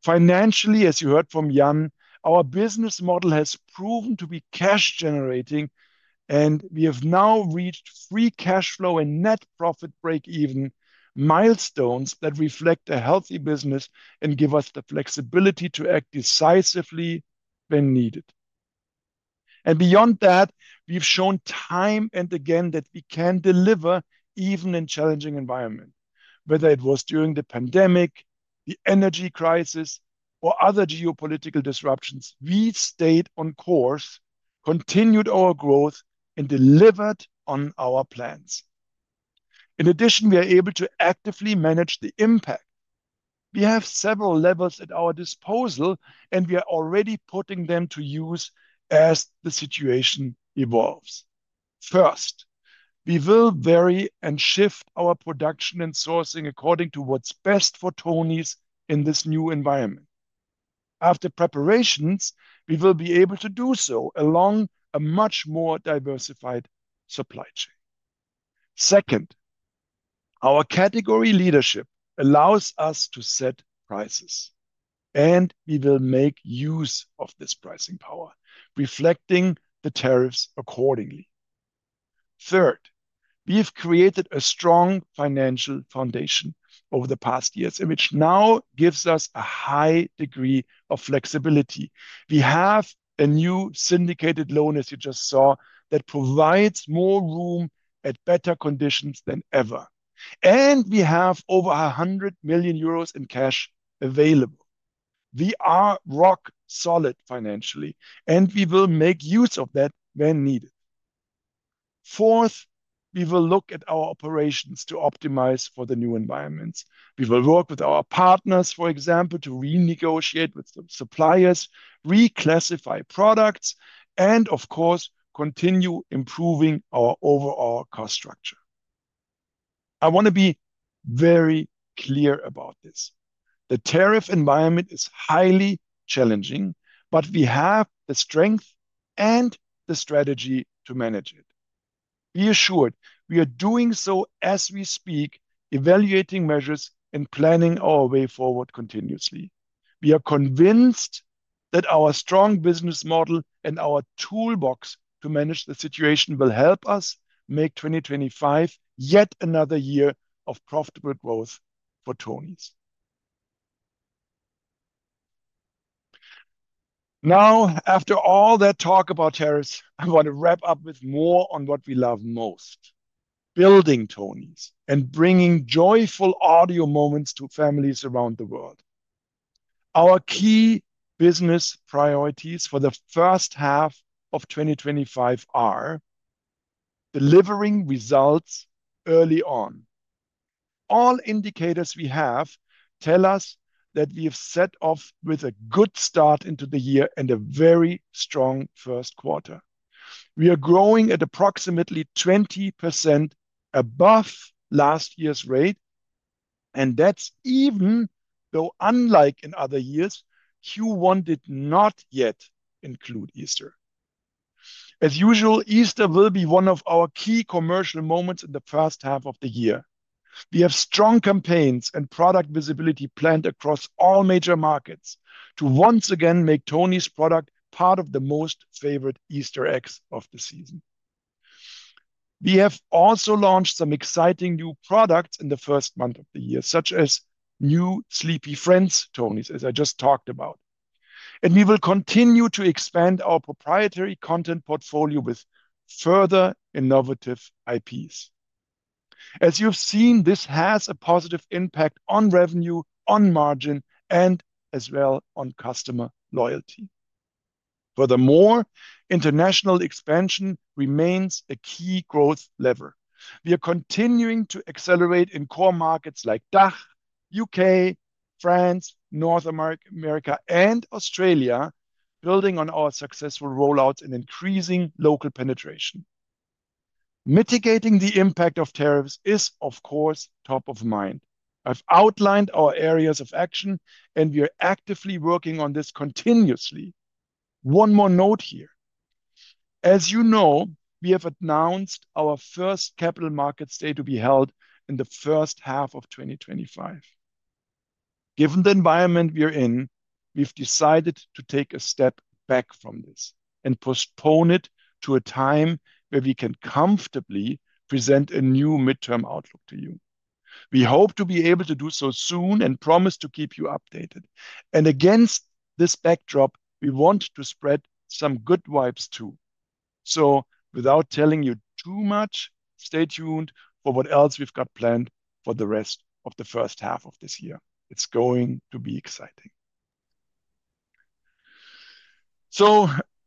Financially, as you heard from Jan, our business model has proven to be cash-generating, and we have now reached free cash flow and net profit breakeven milestones that reflect a healthy business and give us the flexibility to act decisively when needed. Beyond that, we've shown time and again that we can deliver even in challenging environments. Whether it was during the pandemic, the energy crisis, or other geopolitical disruptions, we stayed on course, continued our growth, and delivered on our plans. In addition, we are able to actively manage the impact. We have several levers at our disposal, and we are already putting them to use as the situation evolves. First, we will vary and shift our production and sourcing according to what's best for tonies in this new environment. After preparations, we will be able to do so along a much more diversified supply chain. Second, our category leadership allows us to set prices, and we will make use of this pricing power, reflecting the tariffs accordingly. Third, we've created a strong financial foundation over the past years which now gives us a high degree of flexibility. We have a new syndicated loan, as you just saw, that provides more room at better conditions than ever. We have over 100 million euros in cash available. We are rock solid financially, and we will make use of that when needed. Fourth, we will look at our operations to optimize for the new environments. We will work with our partners, for example, to renegotiate with the suppliers, reclassify products, and, of course, continue improving our overall cost structure. I want to be very clear about this. The tariff environment is highly challenging, but we have the strength and the strategy to manage it. Be assured, we are doing so as we speak, evaluating measures and planning our way forward continuously. We are convinced that our strong business model and our toolbox to manage the situation will help us make 2025 yet another year of profitable growth for tonies. Now, after all that talk about tariffs, I want to wrap up with more on what we love most: building tonies and bringing Joyful audio moments to families around the world. Our key business priorities for the first half of 2025 are delivering results early on. All indicators we have tell us that we have set off with a good start into the year and a very strong first quarter. We are growing at approximately 20% above last year's rate. That is even though, unlike in other years, Q1 did not yet include Easter. As usual, Easter will be one of our key commercial moments in the first half of the year. We have strong campaigns and product visibility planned across all major markets to once again make tonies product part of the most favorite Easter eggs of the season. We have also launched some exciting new products in the first month of the year, such as new Sleepy Friends tonies, as I just talked about. We will continue to expand our proprietary content portfolio with further innovative IPs. As you've seen, this has a positive impact on revenue, on margin, and as well on customer loyalty. Furthermore, international expansion remains a key growth lever. We are continuing to accelerate in core markets like DACH, the U.K., France, North America, and Australia, building on our successful rollouts and increasing local penetration. Mitigating the impact of tariffs is, of course, top of mind. I've outlined our areas of action, and we are actively working on this continuously. One more note here. As you know, we have announced our first capital markets day to be held in the first half of 2025. Given the environment we are in, we've decided to take a step back from this and postpone it to a time where we can comfortably present a new midterm outlook to you. We hope to be able to do so soon and promise to keep you updated. Against this backdrop, we want to spread some good vibes too. Without telling you too much, stay tuned for what else we've got planned for the rest of the first half of this year. It's going to be exciting.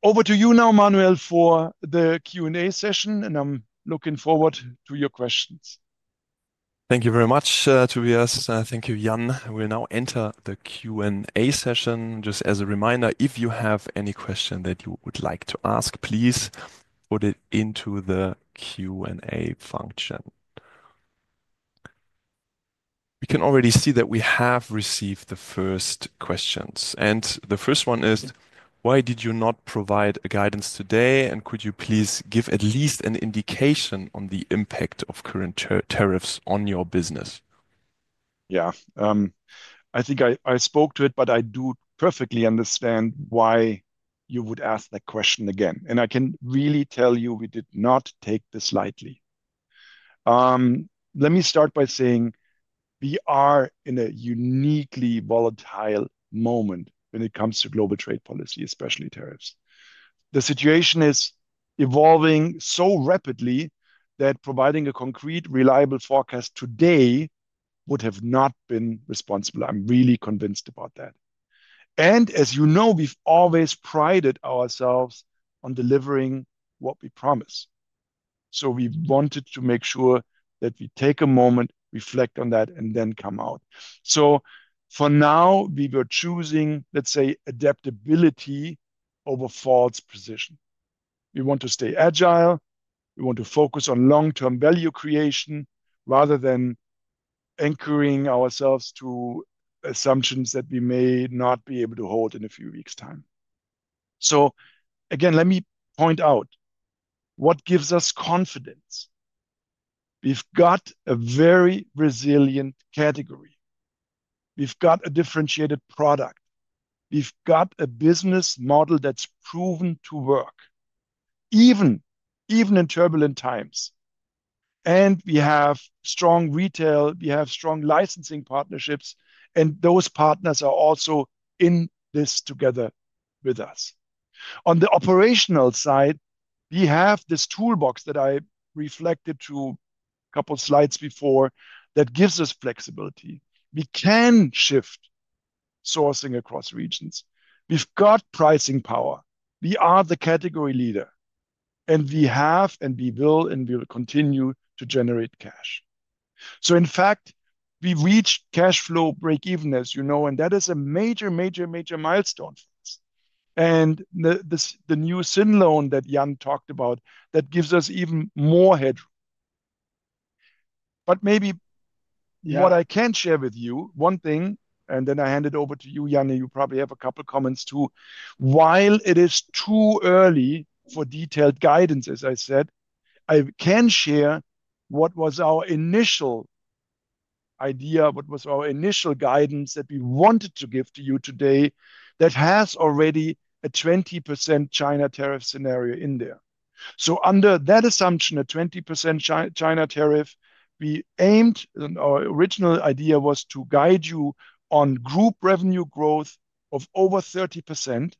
Over to you now, Dietz, for the Q&A session, and I'm looking forward to your questions. Thank you very much, Tobias. Thank you, Jan. We'll now enter the Q&A session. Just as a reminder, if you have any question that you would like to ask, please put it into the Q&A function. We can already see that we have received the first questions. The first one is, why did you not provide guidance today? Could you please give at least an indication on the impact of current tariffs on your business? Yeah, I think I spoke to it, but I do perfectly understand why you would ask that question again. I can really tell you we did not take this lightly. Let me start by saying we are in a uniquely volatile moment when it comes to global trade policy, especially tariffs. The situation is evolving so rapidly that providing a concrete, reliable forecast today would have not been responsible. I'm really convinced about that. As you know, we've always prided ourselves on delivering what we promise. We wanted to make sure that we take a moment, reflect on that, and then come out. For now, we were choosing, let's say, adaptability over false precision. We want to stay agile. We want to focus on long-term value creation rather than anchoring ourselves to assumptions that we may not be able to hold in a few weeks' time. Again, let me point out what gives us confidence. We've got a very resilient category. We've got a differentiated product. We've got a business model that's proven to work, even in turbulent times. We have strong retail. We have strong licensing partnerships, and those partners are also in this together with us. On the operational side, we have this toolbox that I reflected to a couple of slides before that gives us flexibility. We can shift sourcing across regions. We've got pricing power. We are the category leader, and we have, and we will, and we will continue to generate cash. In fact, we reached cash flow breakeven, as you know, and that is a major, major, major milestone for us. The new syndicated loan that Jan talked about, that gives us even more headroom. Maybe what I can share with you, one thing, and then I hand it over to you, Jan, and you probably have a couple of comments too. While it is too early for detailed guidance, as I said, I can share what was our initial idea, what was our initial guidance that we wanted to give to you today that has already a 20% China tariff scenario in there. Under that assumption, a 20% China tariff, we aimed, and our original idea was to guide you on group revenue growth of over 30%,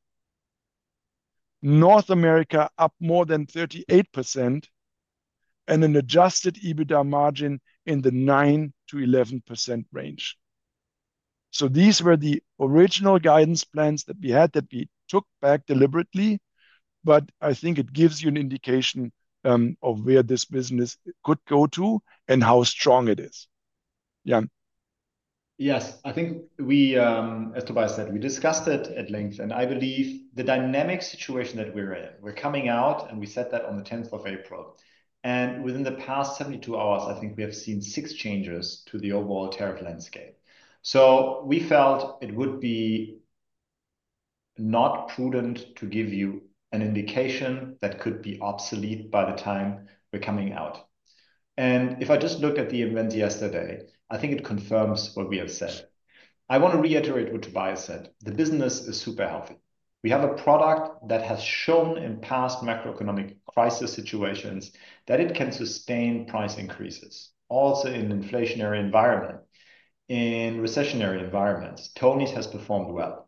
North America up more than 38%, and an Adjusted EBITDA margin in the 9-11% range. These were the original guidance plans that we had that we took back deliberately, but I think it gives you an indication of where this business could go to and how strong it is. Yeah. Yes, I think we, as Tobias said, we discussed it at length, and I believe the dynamic situation that we're in, we're coming out, and we said that on the 10th of April. Within the past 72 hours, I think we have seen six changes to the overall tariff landscape. We felt it would be not prudent to give you an indication that could be obsolete by the time we're coming out. If I just look at the events yesterday, I think it confirms what we have said. I want to reiterate what Tobias said. The business is super healthy. We have a product that has shown in past macroeconomic crisis situations that it can sustain price increases, also in inflationary environments, in recessionary environments. tonies has performed well.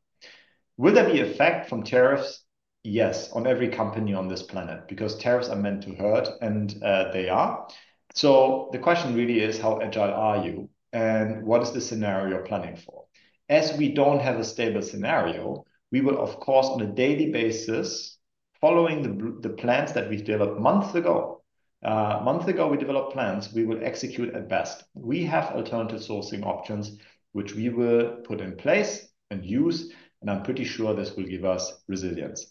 Will there be effect from tariffs? Yes, on every company on this planet, because tariffs are meant to hurt, and they are. The question really is, how agile are you, and what is the scenario you're planning for? As we don't have a stable scenario, we will, of course, on a daily basis, following the plans that we've developed months ago, months ago we developed plans, we will execute at best. We have alternative sourcing options, which we will put in place and use, and I'm pretty sure this will give us resilience.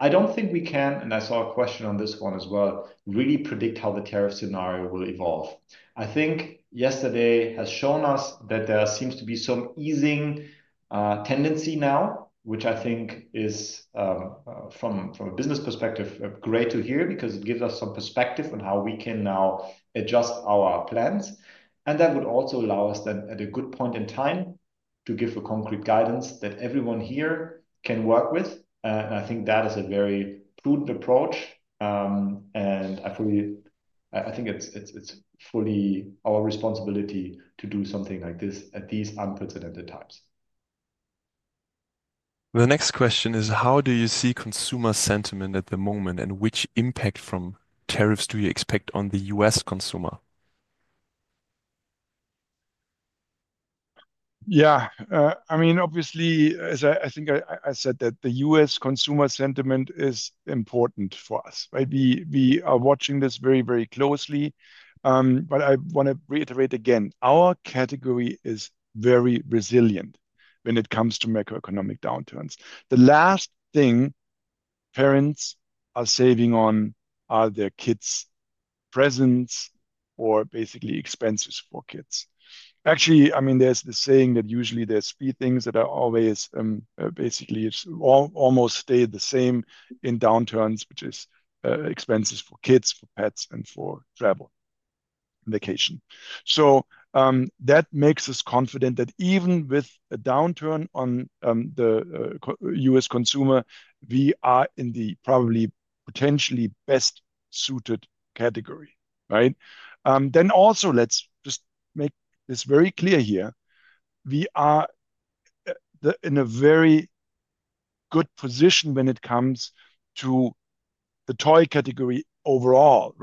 I don't think we can, and I saw a question on this one as well, really predict how the tariff scenario will evolve. I think yesterday has shown us that there seems to be some easing tendency now, which I think is, from a business perspective, great to hear because it gives us some perspective on how we can now adjust our plans. That would also allow us then at a good point in time to give a concrete guidance that everyone here can work with. I think that is a very prudent approach. I think it's fully our responsibility to do something like this at these unprecedented times. The next question is, how do you see consumer sentiment at the moment, and which impact from tariffs do you expect on the US consumer? Yeah, I mean, obviously, as I think I said, that the US consumer sentiment is important for us. We are watching this very, very closely. I want to reiterate again, our category is very resilient when it comes to macroeconomic downturns. The last thing parents are saving on are their kids' presents or basically expenses for kids. Actually, I mean, there is the saying that usually there are three things that almost stay the same in downturns, which is expenses for kids, for pets, and for travel and vacation. That makes us confident that even with a downturn on the US consumer, we are in the probably potentially best suited category. Also, let's just make this very clear here. We are in a very good position when it comes to the toy category overall.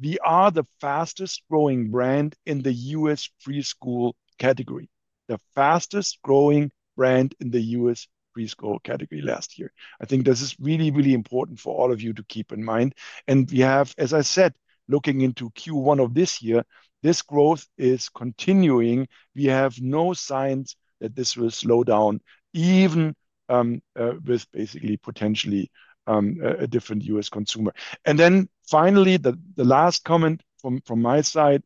We are the fastest growing brand in the US Preschool category, the fastest growing brand in the US Preschool category last year. I think this is really, really important for all of you to keep in mind. We have, as I said, looking into Q1 of this year, this growth is continuing. We have no signs that this will slow down even with basically potentially a different US consumer. Finally, the last comment from my side,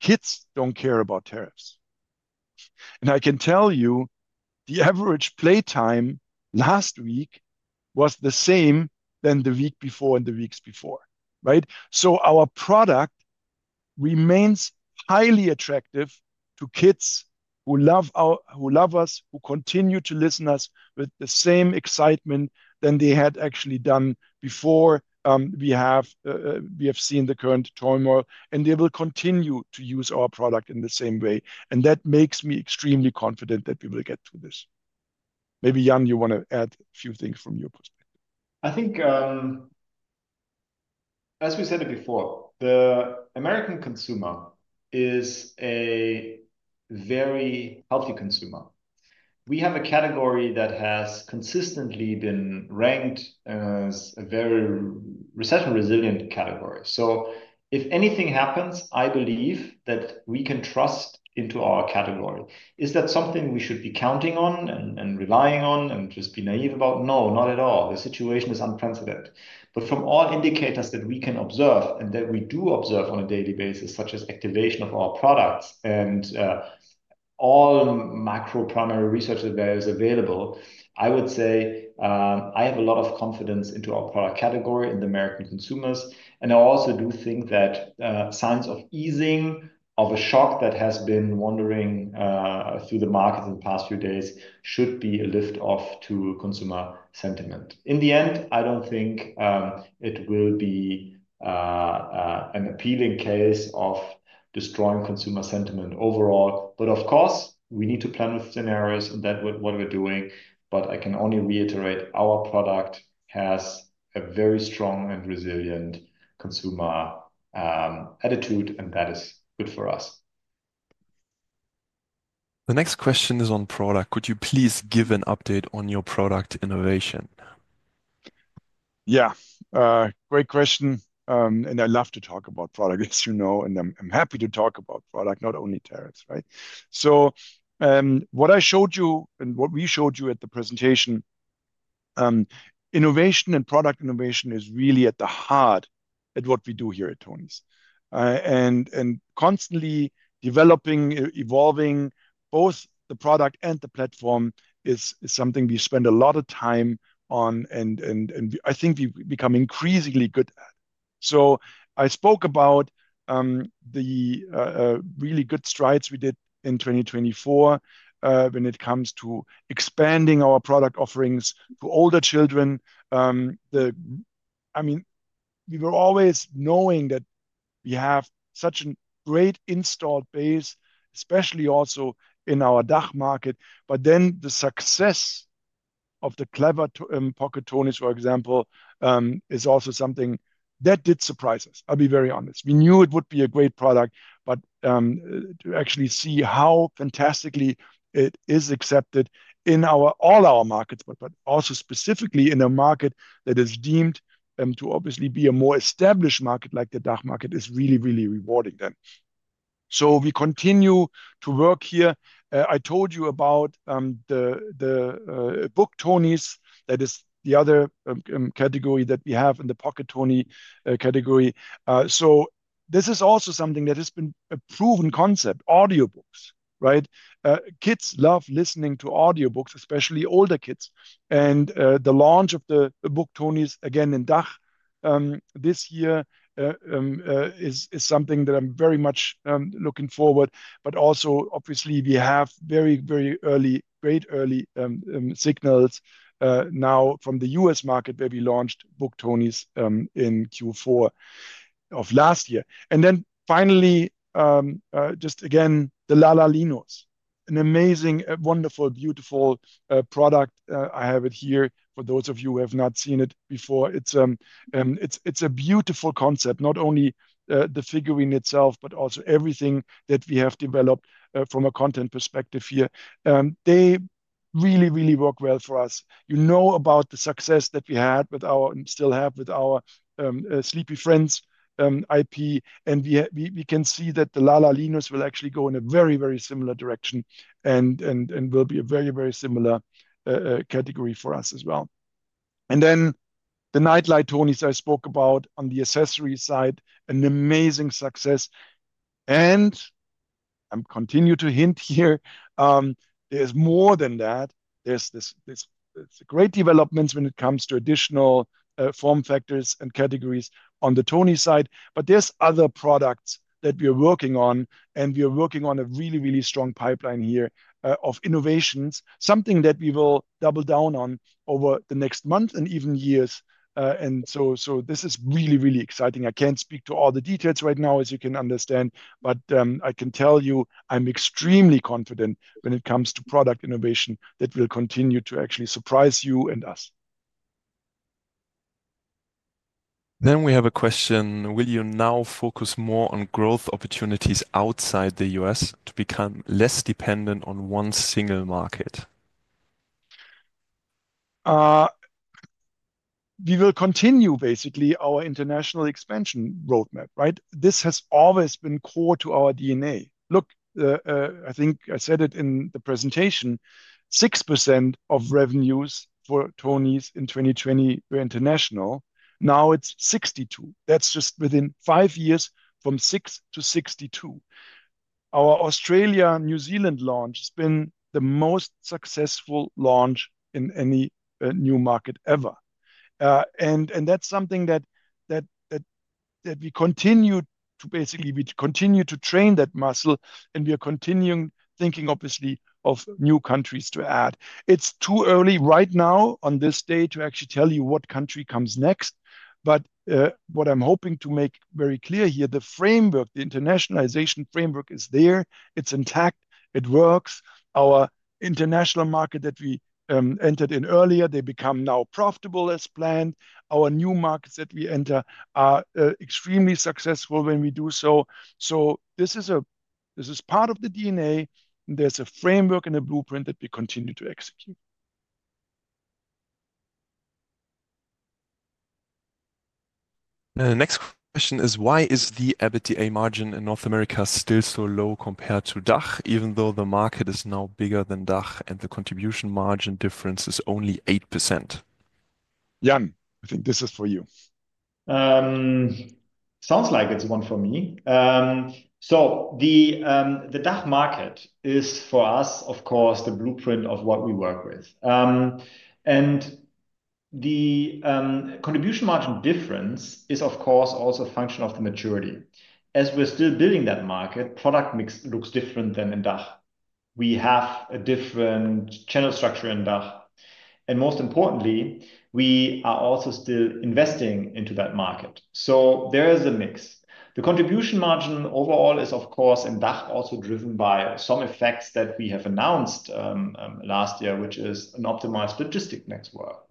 kids do not care about tariffs. I can tell you the average playtime last week was the same as the week before and the weeks before. Our product remains highly attractive to kids who love us, who continue to listen to us with the same excitement as they had actually done before. We have seen the current turmoil, and they will continue to use our product in the same way. That makes me extremely confident that we will get to this. Maybe, Jan, you want to add a few things from your perspective? I think, as we said it before, the American consumer is a very healthy consumer. We have a category that has consistently been ranked as a very recession-resilient category. If anything happens, I believe that we can trust into our category. Is that something we should be counting on and relying on and just be naive about? No, not at all. The situation is unprecedented. From all indicators that we can observe and that we do observe on a daily basis, such as activation of our products and all macro primary research available, I would say I have a lot of confidence into our product category in the American consumers. I also do think that signs of easing of a shock that has been wandering through the market in the past few days should be a lift-off to consumer sentiment. In the end, I don't think it will be an appealing case of destroying consumer sentiment overall. Of course, we need to plan with scenarios and that is what we're doing. I can only reiterate our product has a very strong and resilient consumer attitude, and that is good for us. The next question is on product. Could you please give an update on your product innovation? Yeah, great question. I love to talk about product, as you know, and I'm happy to talk about product, not only tariffs. What I showed you and what we showed you at the presentation, innovation and product innovation is really at the heart of what we do here at tonies. Constantly developing, evolving, both the product and the platform is something we spend a lot of time on, and I think we become increasingly good at. I spoke about the really good strides we did in 2024 when it comes to expanding our product offerings to older children. I mean, we were always knowing that we have such a great installed base, especially also in our DACH market. The success of the Clever Pocket Tonies, for example, is also something that did surprise us. I'll be very honest. We knew it would be a great product, but to actually see how fantastically it is accepted in all our markets, but also specifically in a market that is deemed to obviously be a more established market like the DACH market, is really, really rewarding. We continue to work here. I told you about the Book Tonies. That is the other category that we have in the Pocket Tonies category. This is also something that has been a proven concept, audiobooks. Kids love listening to audiobooks, especially older kids. The launch of the Book tonies, again, in DACH this year is something that I'm very much looking forward to. Also, obviously, we have very, very early, great early signals now from the US market where we launched Book Tonies in Q4 of last year. Finally, just again, the La La Linos, an amazing, wonderful, beautiful product. I have it here. For those of you who have not seen it before, it's a beautiful concept, not only the figurine itself, but also everything that we have developed from a content perspective here. They really, really work well for us. You know about the success that we had with our and still have with our Sleepy Friends IP. We can see that the La La Linos will actually go in a very, very similar direction and will be a very, very similar category for us as well. The Night Light Tonies I spoke about on the accessory side, an amazing success. I'm continuing to hint here, there's more than that. There are great developments when it comes to additional form factors and categories on the tonies side. There are other products that we are working on, and we are working on a really, really strong pipeline here of innovations, something that we will double down on over the next month and even years. This is really, really exciting. I can't speak to all the details right now, as you can understand, but I can tell you I'm extremely confident when it comes to product innovation that will continue to actually surprise you and us. We have a question. Will you now focus more on growth opportunities outside the U.S. to become less dependent on one single market? We will continue basically our international expansion roadmap. This has always been core to our DNA. Look, I think I said it in the presentation, 6% of revenues for tonies in 2020 were international. Now it's 62%. That's just within five years, from 6% to 62%. Our Australia-New Zealand launch has been the most successful launch in any new market ever. That is something that we continue to basically train that muscle, and we are continuing thinking, obviously, of new countries to add. It's too early right now on this day to actually tell you what country comes next. What I'm hoping to make very clear here, the framework, the internationalization framework is there. It's intact. It works. Our international market that we entered in earlier, they become now profitable as planned. Our new markets that we enter are extremely successful when we do so. This is part of the DNA. There is a framework and a blueprint that we continue to execute. The next question is, why is the EBITDA margin in North America still so low compared to DACH, even though the market is now bigger than DACH and the contribution margin difference is only 8%? Jan, I think this is for you. Sounds like it is one for me. The DACH market is for us, of course, the blueprint of what we work with. The contribution margin difference is, of course, also a function of the maturity. As we are still building that market, product mix looks different than in DACH. We have a different channel structure in DACH. Most importantly, we are also still investing into that market. There is a mix. The contribution margin overall is, of course, in DACH also driven by some effects that we have announced last year, which is an optimized logistic network.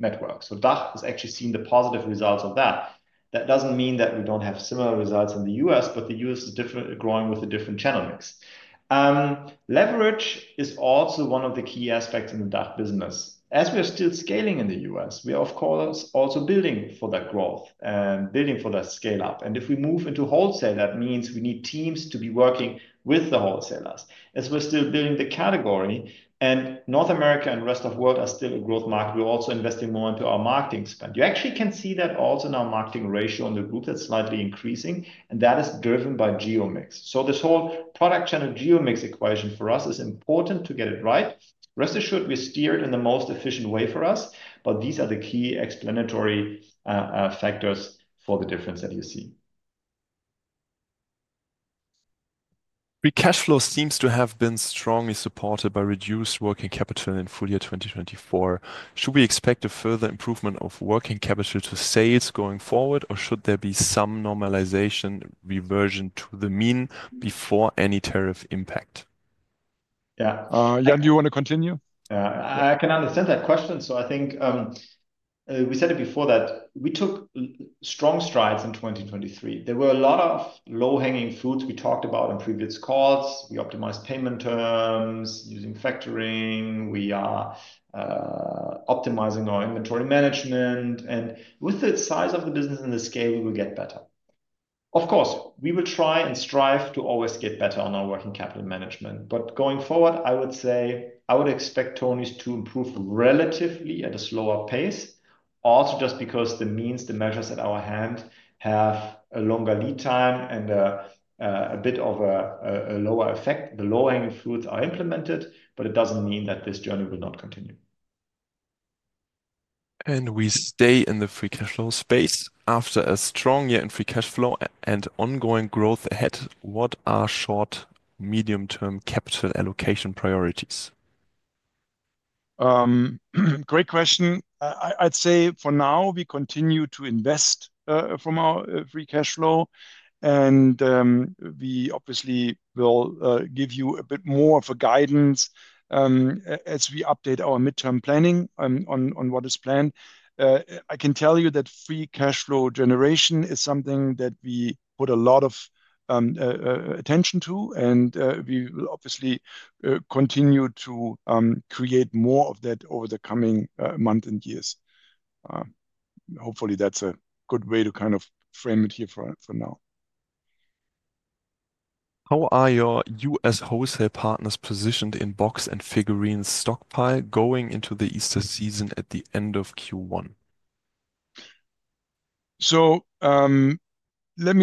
DACH has actually seen the positive results of that. That does not mean that we do not have similar results in the US, but the US is growing with a different channel mix. Leverage is also one of the key aspects in the DACH business. As we are still scaling in the US, we are, of course, also building for that growth and building for that scale-up. If we move into wholesale, that means we need teams to be working with the wholesalers. As we're still building the category, and North America and rest of the world are still a growth market, we're also investing more into our marketing spend. You actually can see that also in our marketing ratio on the booth. It's slightly increasing, and that is driven by geo mix. This whole product channel geo mix equation for us is important to get it right. Rest assured, we steer it in the most efficient way for us. These are the key explanatory factors for the difference that you see. Free cash flow seems to have been strongly supported by reduced working capital in full year 2024. Should we expect a further improvement of working capital to sales going forward, or should there be some normalization reversion to the mean before any tariff impact? Yeah, Jan, do you want to continue? I can understand that question, I think we said it before that we took strong strides in 2023. There were a lot of low-hanging fruits we talked about in previous calls. We optimized payment terms using factoring. We are optimizing our inventory management. With the size of the business and the scale, we will get better. Of course, we will try and strive to always get better on our working capital management. Going forward, I would say I would expect tonies to improve relatively at a slower pace, also just because the means, the measures at our hand have a longer lead time and a bit of a lower effect. The low-hanging fruits are implemented, but it does not mean that this journey will not continue. We stay in the free cash flow space. After a strong year in free cash flow and ongoing growth ahead, what are short, medium-term capital allocation priorities? Great question. I'd say for now, we continue to invest from our free cash flow. We obviously will give you a bit more of a guidance as we update our midterm planning on what is planned. I can tell you that free cash flow generation is something that we put a lot of attention to. We will obviously continue to create more of that over the coming months and years. Hopefully, that's a good way to kind of frame it here for now. How are your US wholesale partners positioned in box and figurine stockpile going into the Easter season at the end of Q1? Let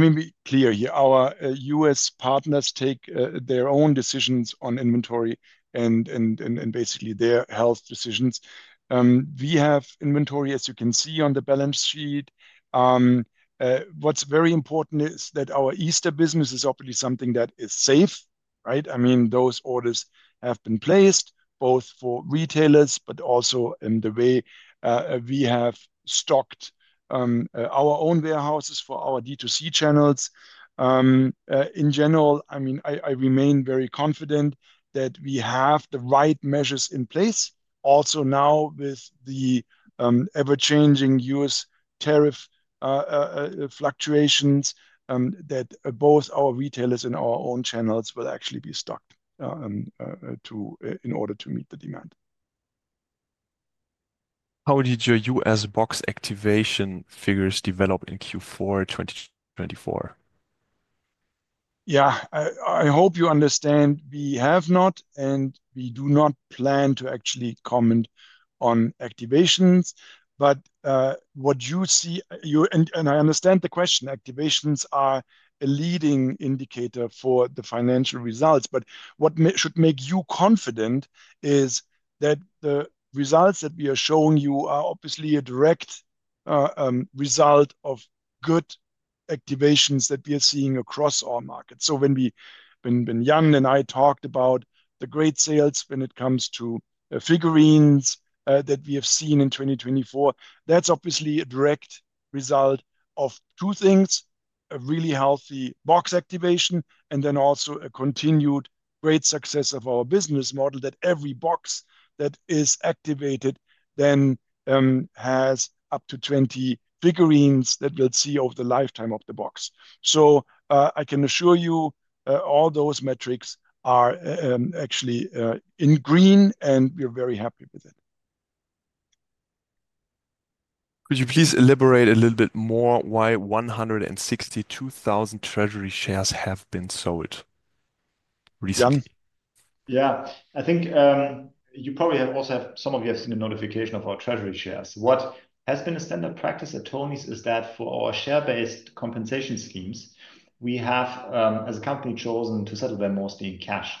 me be clear here. Our US partners take their own decisions on inventory and basically their health decisions. We have inventory, as you can see on the balance sheet. What's very important is that our Easter business is obviously something that is safe. I mean, those orders have been placed both for retailers, but also in the way we have stocked our own Warehouses for our D2C channels. In general, I mean, I remain very confident that we have the right measures in place. Also now with the ever-changing U.S. tariff fluctuations that both our retailers and our own channels will actually be stocked in order to meet the demand. How did your U.S. box activation figures develop in Q4 2024? Yeah, I hope you understand we have not and we do not plan to actually comment on activations. But what you see, and I understand the question, activations are a leading indicator for the financial results. What should make you confident is that the results that we are showing you are obviously a direct result of good activations that we are seeing across our market. When Jan and I talked about the great sales when it comes to figurines that we have seen in 2024, that's obviously a direct result of two things: a really healthy box activation and then also a continued great success of our business model that every box that is activated then has up to 20 figurines that we'll see over the lifetime of the box. I can assure you all those metrics are actually in green, and we're very happy with it. Could you please elaborate a little bit more why 162,000 treasury shares have been sold recently? I think you probably also have some of you have seen a notification of our treasury shares. What has been a standard practice at tonies is that for our share-based compensation schemes, we have, as a company, chosen to settle them mostly in cash.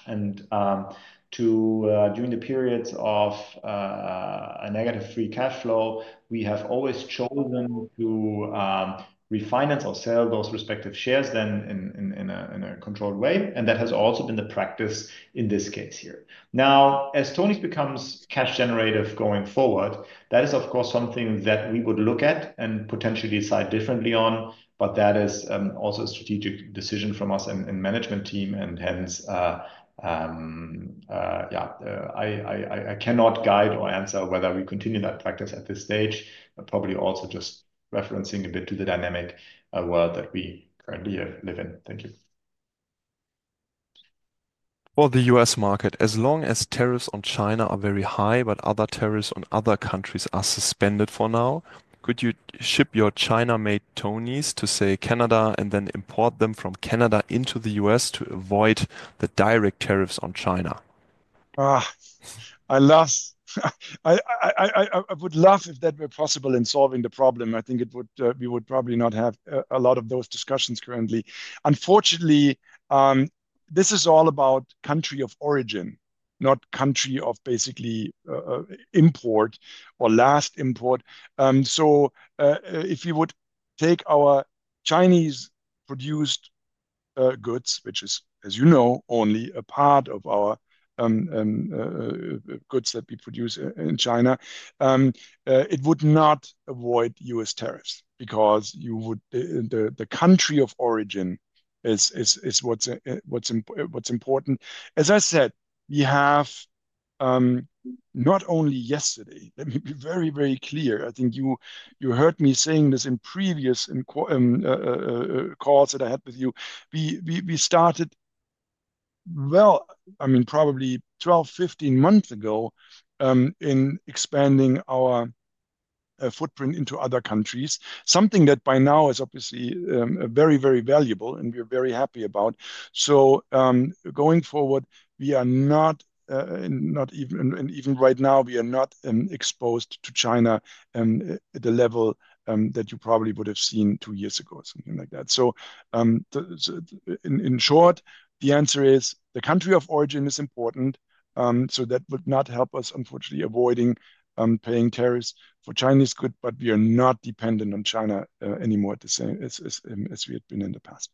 During the periods of a negative free cash flow, we have always chosen to refinance or sell those respective shares then in a controlled way. That has also been the practice in this case here. Now, as tonies becomes cash generative going forward, that is, of course, something that we would look at and potentially decide differently on. That is also a strategic decision from us and management team. Hence, yeah, I cannot guide or answer whether we continue that practice at this stage, but probably also just referencing a bit to the dynamic world that we currently live in. Thank you. For the U.S. market, as long as tariffs on China are very high, but other tariffs on other countries are suspended for now, could you ship your China-made tonies to, say, Canada and then import them from Canada into the US to avoid the direct tariffs on China? I would love if that were possible in solving the problem. I think we would probably not have a lot of those discussions currently. Unfortunately, this is all about country of origin, not country of basically import or last import. If we would take our Chinese-produced goods, which is, as you know, only a part of our goods that we produce in China, it would not avoid US tariffs because the country of origin is what's important. As I said, we have not only yesterday, let me be very, very clear. I think you heard me saying this in previous calls that I had with you. We started, I mean, probably 12-15 months ago in expanding our footprint into other countries, something that by now is obviously very, very valuable, and we're very happy about. Going forward, we are not, and even right now, we are not exposed to China at the level that you probably would have seen two years ago, something like that. In short, the answer is the country of origin is important. That would not help us, unfortunately, avoiding paying tariffs for Chinese goods, but we are not dependent on China anymore as we had been in the past.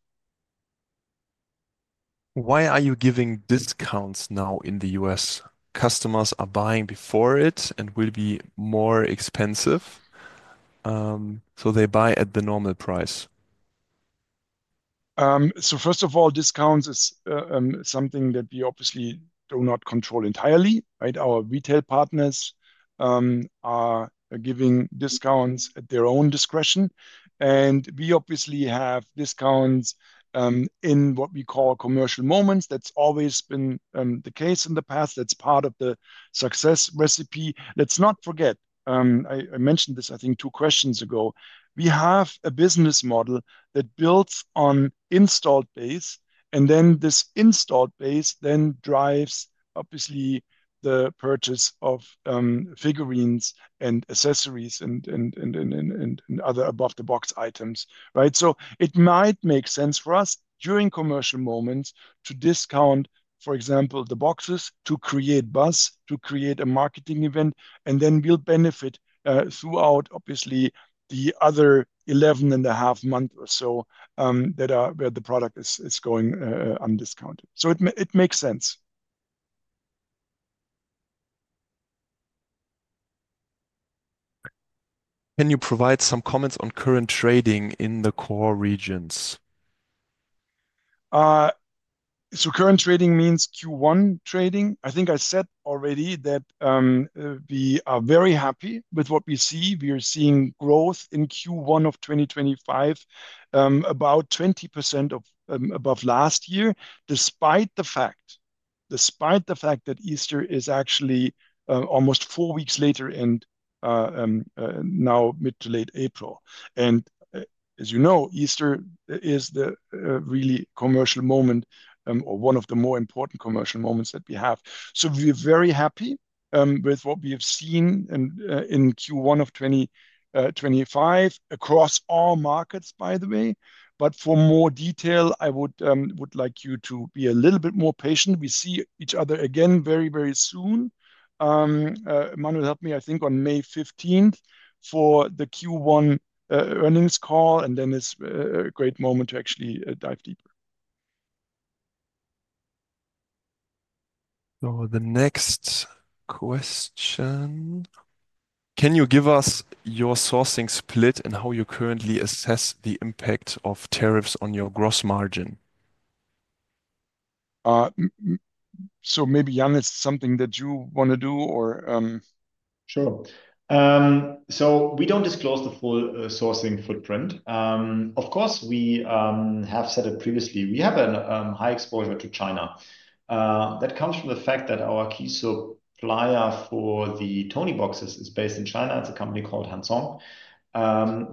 Why are you giving discounts now in the US? Customers are buying before it and will be more expensive. They buy at the normal price. First of all, discounts is something that we obviously do not control entirely. Our retail partners are giving discounts at their own discretion. We obviously have discounts in what we call commercial moments. That has always been the case in the past. That is part of the success recipe. Let's not forget, I mentioned this, I think, two questions ago. We have a business model that builds on installed base, and then this installed base then drives obviously the purchase of figurines and accessories and other above-the-box items. It might make sense for us during commercial moments to discount, for example, the boxes to create buzz, to create a marketing event, and then we will benefit throughout, obviously, the other 11 and a half months or so that are where the product is going undiscounted. It makes sense. Can you provide some comments on current trading in the core regions? Current trading means Q1 trading. I think I said already that we are very happy with what we see. We are seeing growth in Q1 of 2025, about 20% above last year, despite the fact that Easter is actually almost four weeks later in now mid to late April. As you know, Easter is the really commercial moment or one of the more important commercial moments that we have. We are very happy with what we have seen in Q1 of 2025 across all markets, by the way. For more detail, I would like you to be a little bit more patient. We see each other again very, very soon.I mean helped me, I think, on May 15th for the Q1 Earnings Call, and then it is a great moment to actually dive deeper. The next question, can you give us your sourcing split and how you currently assess the impact of tariffs on your gross margin? Maybe, Jan, it's something that you want to do or? Sure. We don't disclose the full sourcing footprint. Of course, we have said it previously. We have a high exposure to China. That comes from the fact that our key supplier for the Tonieboxes is based in China. It's a company called Hansong.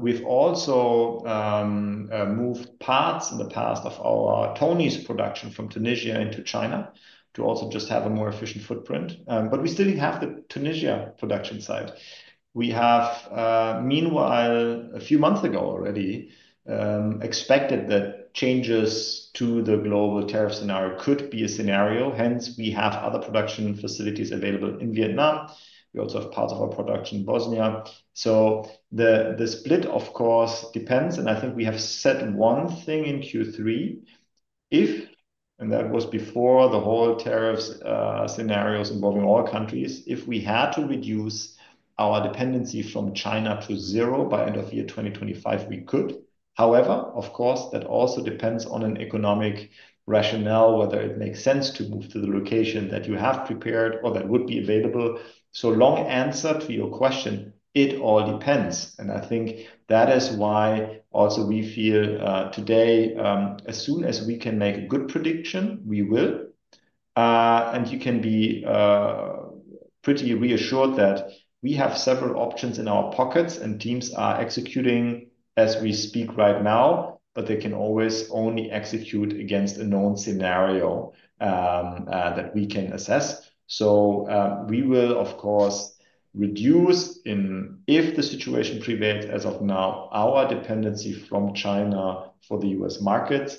We've also moved parts in the past of our tonies production from Tunisia into China to also just have a more efficient footprint. We still have the Tunisia production site. We have, meanwhile, a few months ago already expected that changes to the global tariff scenario could be a scenario. Hence, we have other production facilities available in Vietnam. We also have parts of our production in Bosnia. The split, of course, depends. I think we have said one thing in Q3. If, and that was before the whole tariffs scenarios involving all countries, if we had to reduce our dependency from China to zero by end of year 2025, we could. However, of course, that also depends on an economic rationale, whether it makes sense to move to the location that you have prepared or that would be available. Long answer to your question, it all depends. I think that is why also we feel today, as soon as we can make a good prediction, we will. You can be pretty reassured that we have several options in our pockets and teams are executing as we speak right now, but they can always only execute against a known scenario that we can assess. We will, of course, reduce, if the situation prevails as of now, our dependency from China for the US markets,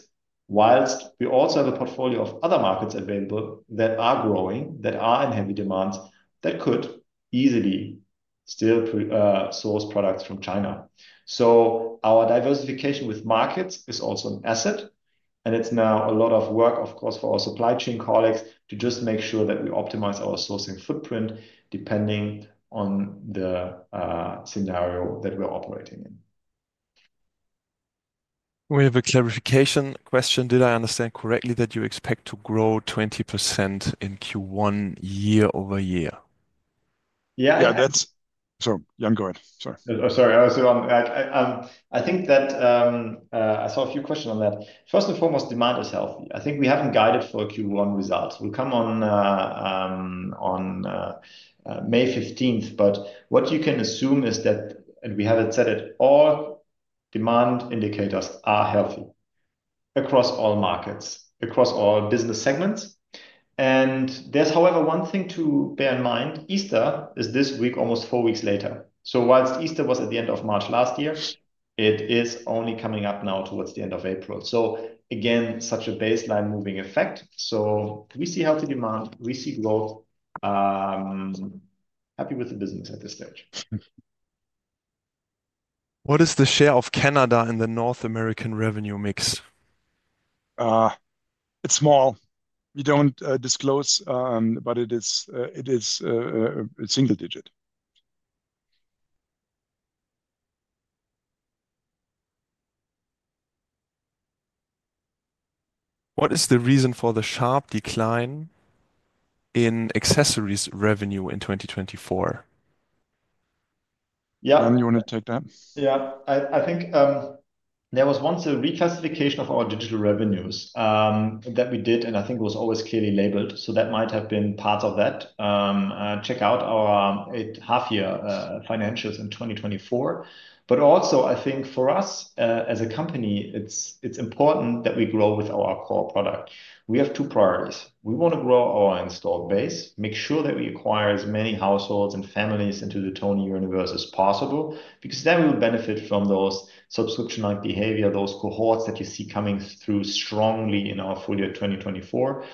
whilst we also have a portfolio of other markets available that are growing, that are in heavy demand, that could easily still source products from China. Our diversification with markets is also an asset. It is now a lot of work, of course, for our supply chain colleagues to just make sure that we optimize our sourcing footprint depending on the scenario that we're operating in. We have a clarification question. Did I understand correctly that you expect to grow 20% in Q1 Year-over-Year? Yeah. Yeah, that is so, Jan, go ahead. Sorry. Sorry, I was still on. I think that I saw a few questions on that. First and foremost, demand is healthy. I think we haven't guided for Q1 results. We will come on May 15th. What you can assume is that, and we haven't said it, all demand indicators are healthy across all markets, across all business segments. There is, however, one thing to bear in mind. Easter is this week, almost four weeks later. Whilst Easter was at the end of March last year, it is only coming up now towards the end of April. Again, such a baseline moving effect. We see healthy demand. We see growth. Happy with the business at this stage. What is the share of Canada in the North American revenue mix? It's small. We don't disclose, but it is a single digit. What is the reason for the sharp decline in accessories revenue in 2024? Yeah. Jan, you want to take that? Yeah. I think there was once a reclassification of our digital revenues that we did, and I think it was always clearly labeled. That might have been part of that. Check out our half-year financials in 2024. Also, I think for us as a company, it's important that we grow with our core product. We have two priorities. We want to grow our installed base, make sure that we acquire as many households and families into the tonies universe as possible, because then we will benefit from those subscription-like behavior, those cohorts that you see coming through strongly in our full year 2024.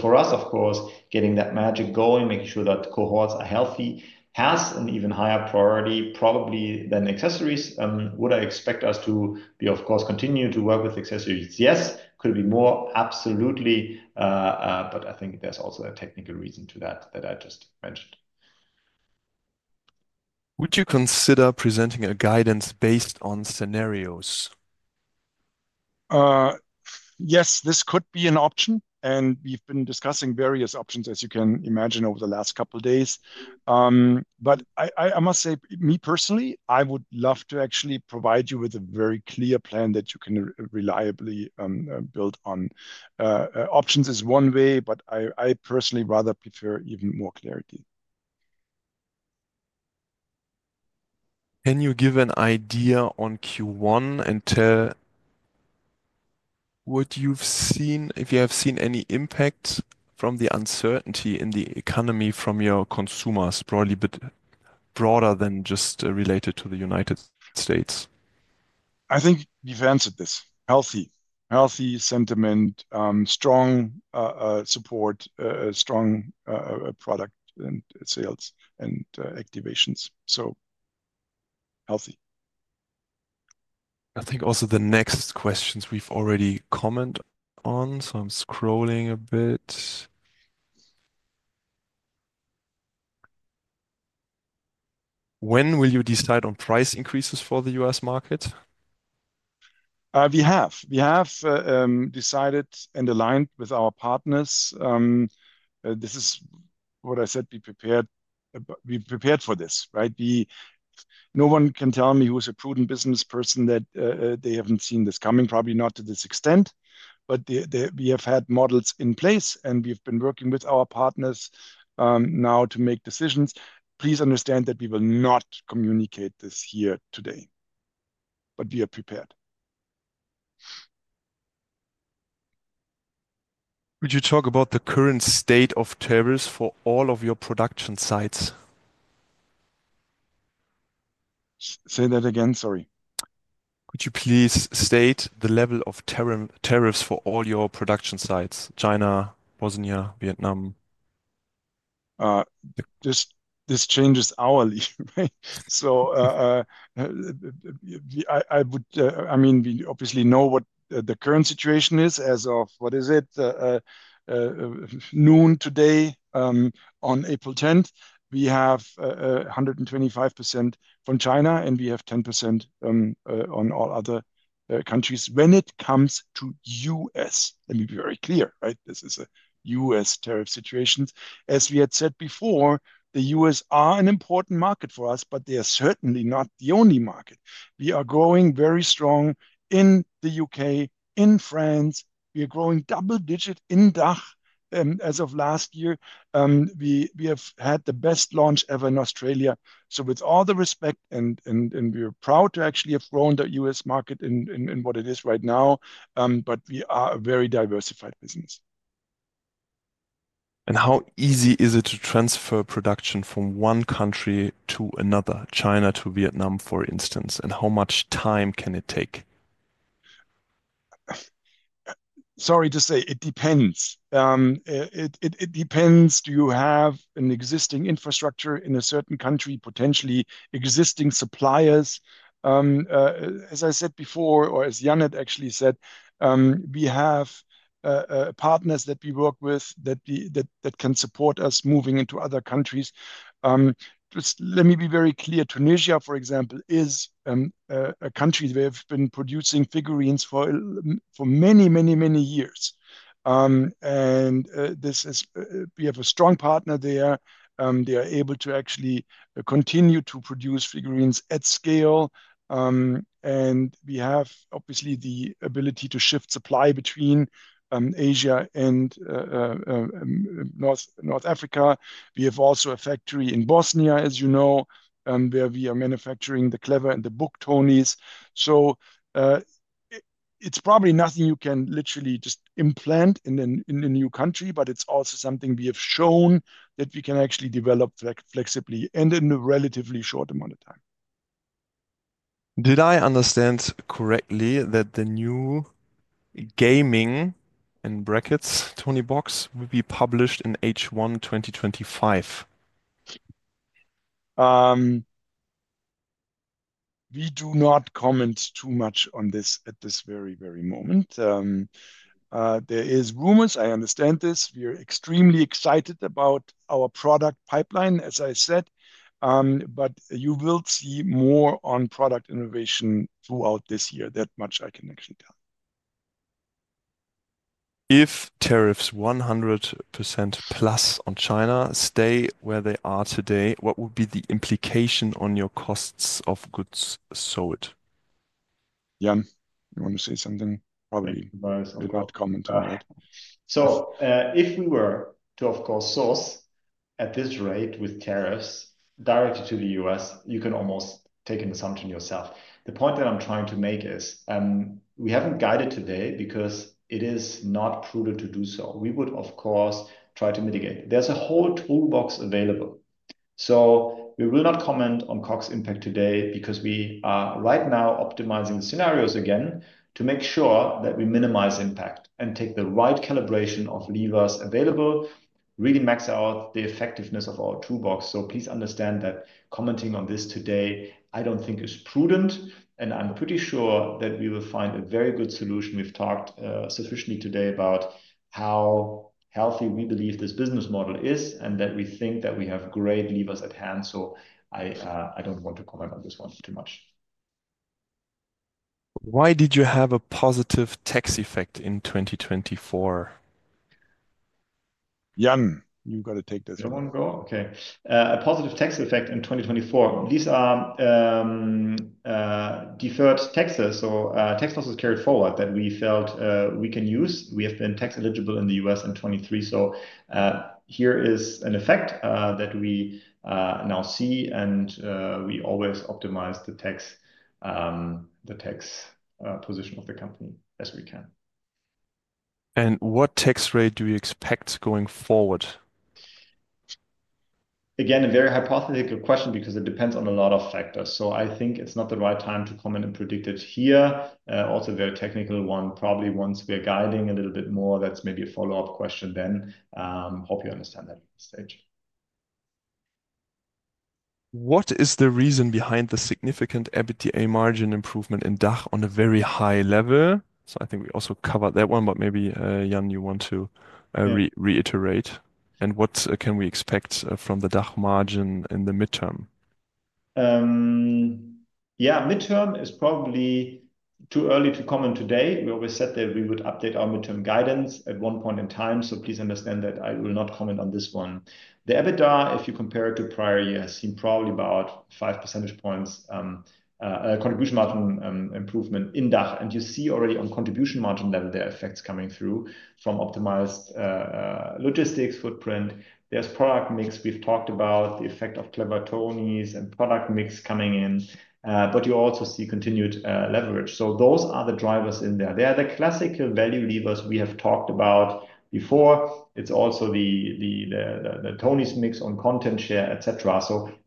For us, of course, getting that magic going, making sure that cohorts are healthy has an even higher priority probably than accessories. Would I expect us to be, of course, continue to work with accessories? Yes. Could it be more? Absolutely. I think there's also a technical reason to that that I just mentioned. Would you consider presenting a guidance based on scenarios? Yes, this could be an option. We've been discussing various options, as you can imagine, over the last couple of days. I must say, me personally, I would love to actually provide you with a very clear plan that you can reliably build on. Options is one way, but I personally rather prefer even more clarity. Can you give an idea on Q1 and tell what you've seen, if you have seen any impact from the uncertainty in the economy from your consumers, probably a bit broader than just related to the U.S.? I think we've answered this. Healthy. Healthy sentiment, strong support, strong product sales and activations. Healthy. I think also the next questions we've already commented on. I'm scrolling a bit. When will you decide on price increases for the US market? We have. We have decided and aligned with our partners. This is what I said, we prepared for this. No one can tell me who's a prudent business person that they haven't seen this coming, probably not to this extent. We have had models in place, and we've been working with our partners now to make decisions. Please understand that we will not communicate this here today, but we are prepared. Could you talk about the current state of tariffs for all of your production sites? Say that again, sorry. Could you please state the level of tariffs for all your production sites? China, Bosnia, Vietnam. This changes hourly. I mean, we obviously know what the current situation is as of, what is it, noon today on April 10th. We have 125% from China, and we have 10% on all other countries. When it comes to the U.S., let me be very clear, right? This is a U.S. tariff situation. As we had said before, the U.S. is an important market for us, but it is certainly not the only market. We are growing very strong in the U.K., in France. We are growing double-digit in DACH as of last year. We have had the best launch ever in Australia. With all the respect, and we're proud to actually have grown the U.S. market in what it is right now, we are a very diversified business. How easy is it to transfer production from one country to another, China to Vietnam, for instance? How much time can it take? Sorry to say, it depends. It depends, do you have an existing infrastructure in a certain country, potentially existing suppliers. As I said before, or as Jan had actually said, we have partners that we work with that can support us moving into other countries. Just let me be very clear. Tunisia, for example, is a country where we've been producing figurines for many, many, many years. We have a strong partner there. They are able to actually continue to produce figurines at scale. We have obviously the ability to shift supply between Asia and North Africa. We have also a factory in Bosnia, as you know, where we are manufacturing the Clever tonies and the Book Tonies. It is probably nothing you can literally just implant in a new country, but it is also something we have shown that we can actually develop flexibly and in a relatively short amount of time. Did I understand correctly that the new gaming and creative Toniebox will be published in H1 2025? We do not comment too much on this at this very, very moment. There are rumors. I understand this. We are extremely excited about our product pipeline, as I said. You will see more on product innovation throughout this year. That much I can actually tell. If tariffs 100% plus on China stay where they are today, what would be the implication on your cost of goods sold? Jan, you want to say something? Probably I'll comment on that. If we were to, of course, source at this rate with tariffs directly to the US, you can almost take an assumption yourself. The point that I'm trying to make is we haven't guided today because it is not prudent to do so. We would, of course, try to mitigate. There's a whole toolbox available. We will not comment on COGS impact today because we are right now optimizing the scenarios again to make sure that we minimize impact and take the right calibration of levers available, really max out the effectiveness of our toolbox. Please understand that commenting on this today, I don't think is prudent. I'm pretty sure that we will find a very good solution. We've talked sufficiently today about how healthy we believe this business model is and that we think that we have great levers at hand. I don't want to comment on this one t oo much. Why did you have a positive tax effect in 2024? Jan, you've got to take this one. Everyone go? Okay. A positive tax effect in 2024. These are deferred taxes. Tax losses carried forward that we felt we can use. We have been tax eligible in the US in 2023. Here is an effect that we now see. We always optimize the tax position of the co mpany as we can. What tax rate do you expect going forward? Again, a very hypothetical question because it depends on a lot of factors. I think it's not the right time to comment and predict it here. Also a very technical one. Probably once we're guiding a little bit more, that's maybe a follow-up question then. Hope you understand that at this stage. What is the reason behind the significant EBITDA margin improvement in DACH on a very high level? I think we also covered that one, but maybe, Jan, you want to reiterate. What can we expect from the DACH margin in the midterm? Yeah, midterm is probably too early to comment today. We always said that we would update our midterm guidance at one point in time. Please understand that I will not comment on this one. The EBITDA, if you compare it to prior years, has seen probably about 5 percentage points contribution margin improvement in DACH. You see already on contribution margin level, there are effects coming through from optimized logistics footprint. There is product mix. We have talked about the effect of Clever tonies and product mix coming in. You also see continued leverage. Those are the drivers in there. They are the classical value levers we have talked about before. It is also the tonies mix on content share, etc.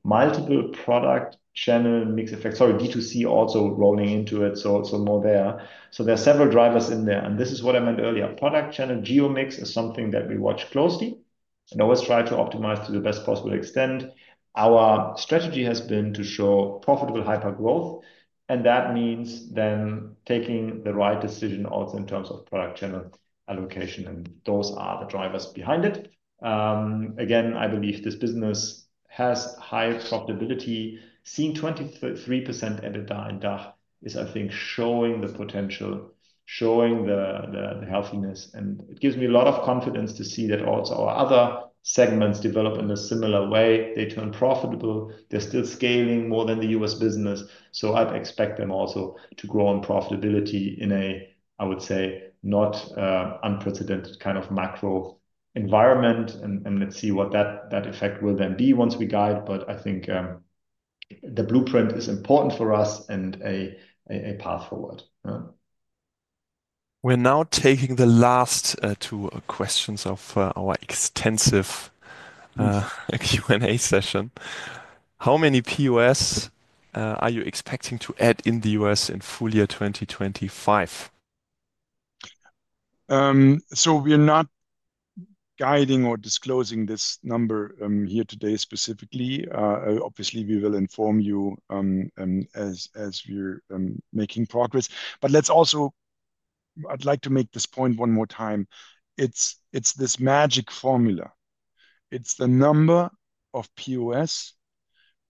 Multiple product channel mix effects, sorry, D2C also rolling into it. More there. There are several drivers in there. This is what I meant earlier. Product channel geo mix is something that we watch closely and always try to optimize to the best possible extent. Our strategy has been to show profitable hyper growth. That means then taking the right decision also in terms of product channel allocation. Those are the drivers behind it. Again, I believe this business has high profitability. Seeing 23% EBITDA in DACH is, I think, showing the potential, showing the healthiness. It gives me a lot of confidence to see that also our other segments develop in a similar way. They turn profitable. They're still scaling more than the US business. I'd expect them also to grow in profitability in a, I would say, not unprecedented kind of macro environment. Let's see what that effect will then be once we guide. I think the blueprint is important for us and a path forward. We're now taking the last two questions of our extensive Q&A session. How many POS are you expecting to add in the US in full year 2025? We are not guiding or disclosing this number here today specifically. Obviously, we will inform you as we're making progress. I would like to make this point one more time. It's this magic formula. It's the number of POS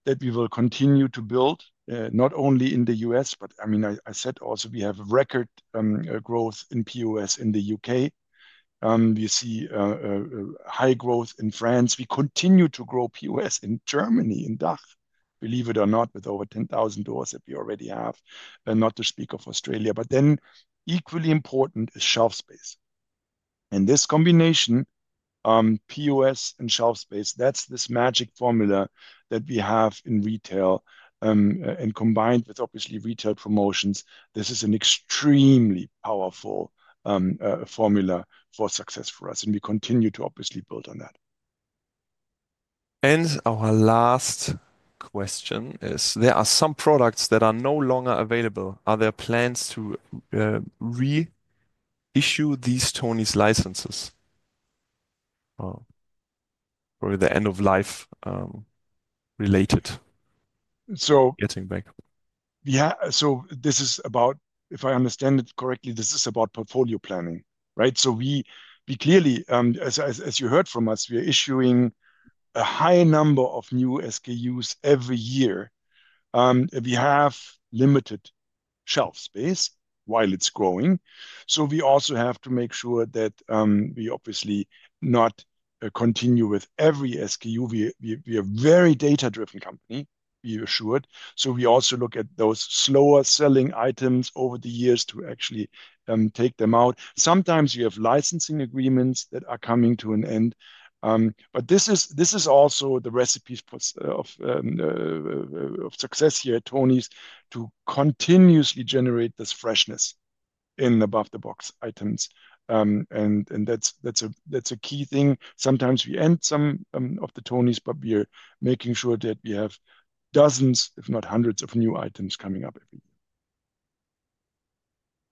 that we will continue to build not only in the US, but I mean, I said also we have record growth in POS in the UK. We see high growth in France. We continue to grow POS in Germany, in DACH, believe it or not, with over 10,000 doors that we already have. Not to speak of Australia. Equally important is shelf space. This combination, POS and shelf space, is this magic formula that we have in retail, combined with obviously retail promotions. This is an extremely powerful formula for success for us. We continue to obviously build on that. Our last question is, there are some products that are no longer available. Are there plans to reissue these tonies licenses? Probably the end-of-life related. Getting back. This is about, if I understand it correctly, this is about portfolio planning, right? We clearly, as you heard from us, are issuing a high number of new SKUs every year. We have limited shelf space while it is growing. We also have to make sure that we obviously do not continue with every SKU. We are a very data-driven company, we assured. We also look at those slower-selling items over the years to actually take them out. Sometimes you have licensing agreements that are coming to an end. This is also the recipe of success here at tonies to continuously generate this freshness in above-the-box items. That is a key thing. Sometimes we end some of the tonies, but we are making sure that we have dozens, if not hundreds, of new items coming up every year.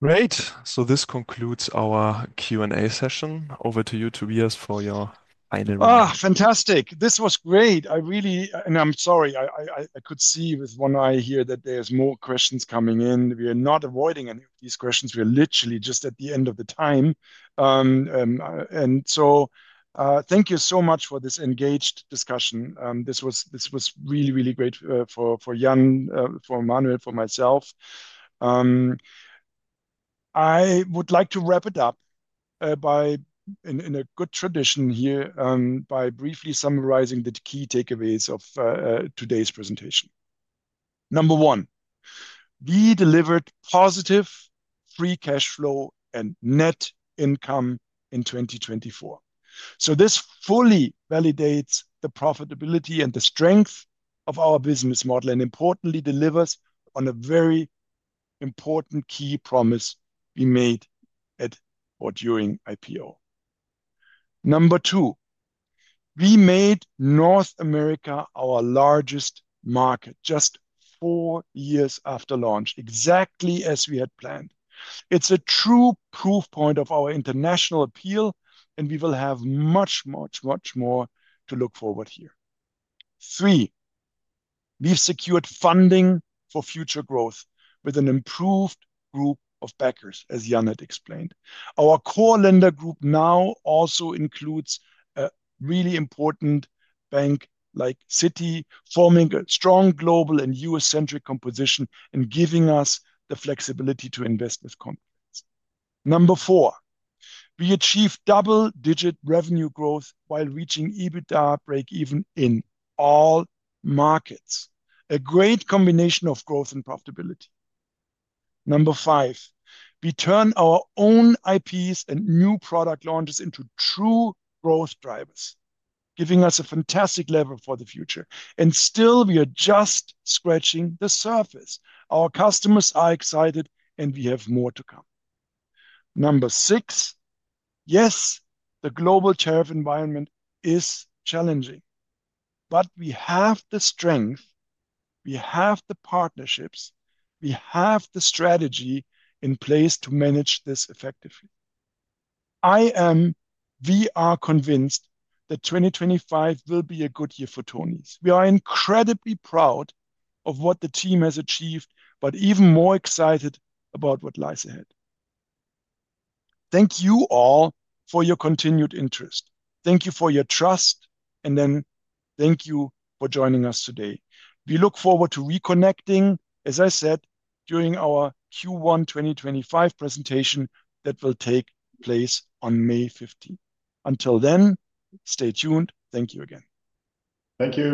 Great. This concludes our Q&A session. Over to you, Tobias, for your final remarks. Fantastic. This was great. I really, and I'm sorry, I could see with one eye here that there's more questions coming in. We are not avoiding any of these questions. We are literally just at the end of the time. Thank you so much for this engaged discussion. This was really, really great for Jan, for Dietz, for myself. I would like to wrap it up in a good tradition here by briefly summarizing the key takeaways of today's presentation. Number one, we delivered positive free cash flow and net income in 2024. This fully validates the profitability and the strength of our business model and importantly delivers on a very important key promise we made at or during IPO. Number two, we made North America our largest market just four years after launch, exactly as we had planned. It is a true proof point of our international appeal, and we will have much, much, much more to look forward here. Three, we have secured funding for future growth with an improved group of backers, as Jan had explained. Our core lender group now also includes a really important bank like Citi, forming a strong global and US-centric composition and giving us the flexibility to invest with companies. Number four, we achieved double-digit revenue growth while reaching EBITDA break-even in all markets. A great combination of growth and profitability. Number five, we turn our own IPs and new product launches into true growth drivers, giving us a fantastic level for the future. Still, we are just scratching the surface. Our customers are excited, and we have more to come. Number six, yes, the global tariff environment is challenging, but we have the strength, we have the partnerships, we have the strategy in place to manage this effectively. I am, we are convinced that 2025 will be a good year for tonies. We are incredibly proud of what the team has achieved, but even more excited about what lies ahead. Thank you all for your continued interest. Thank you for your trust, and thank you for joining us today. We look forward to reconnecting, as I said, during our Q1 2025 presentation that will take place on May 15th. Until then, stay tuned. Thank you again. Thank you.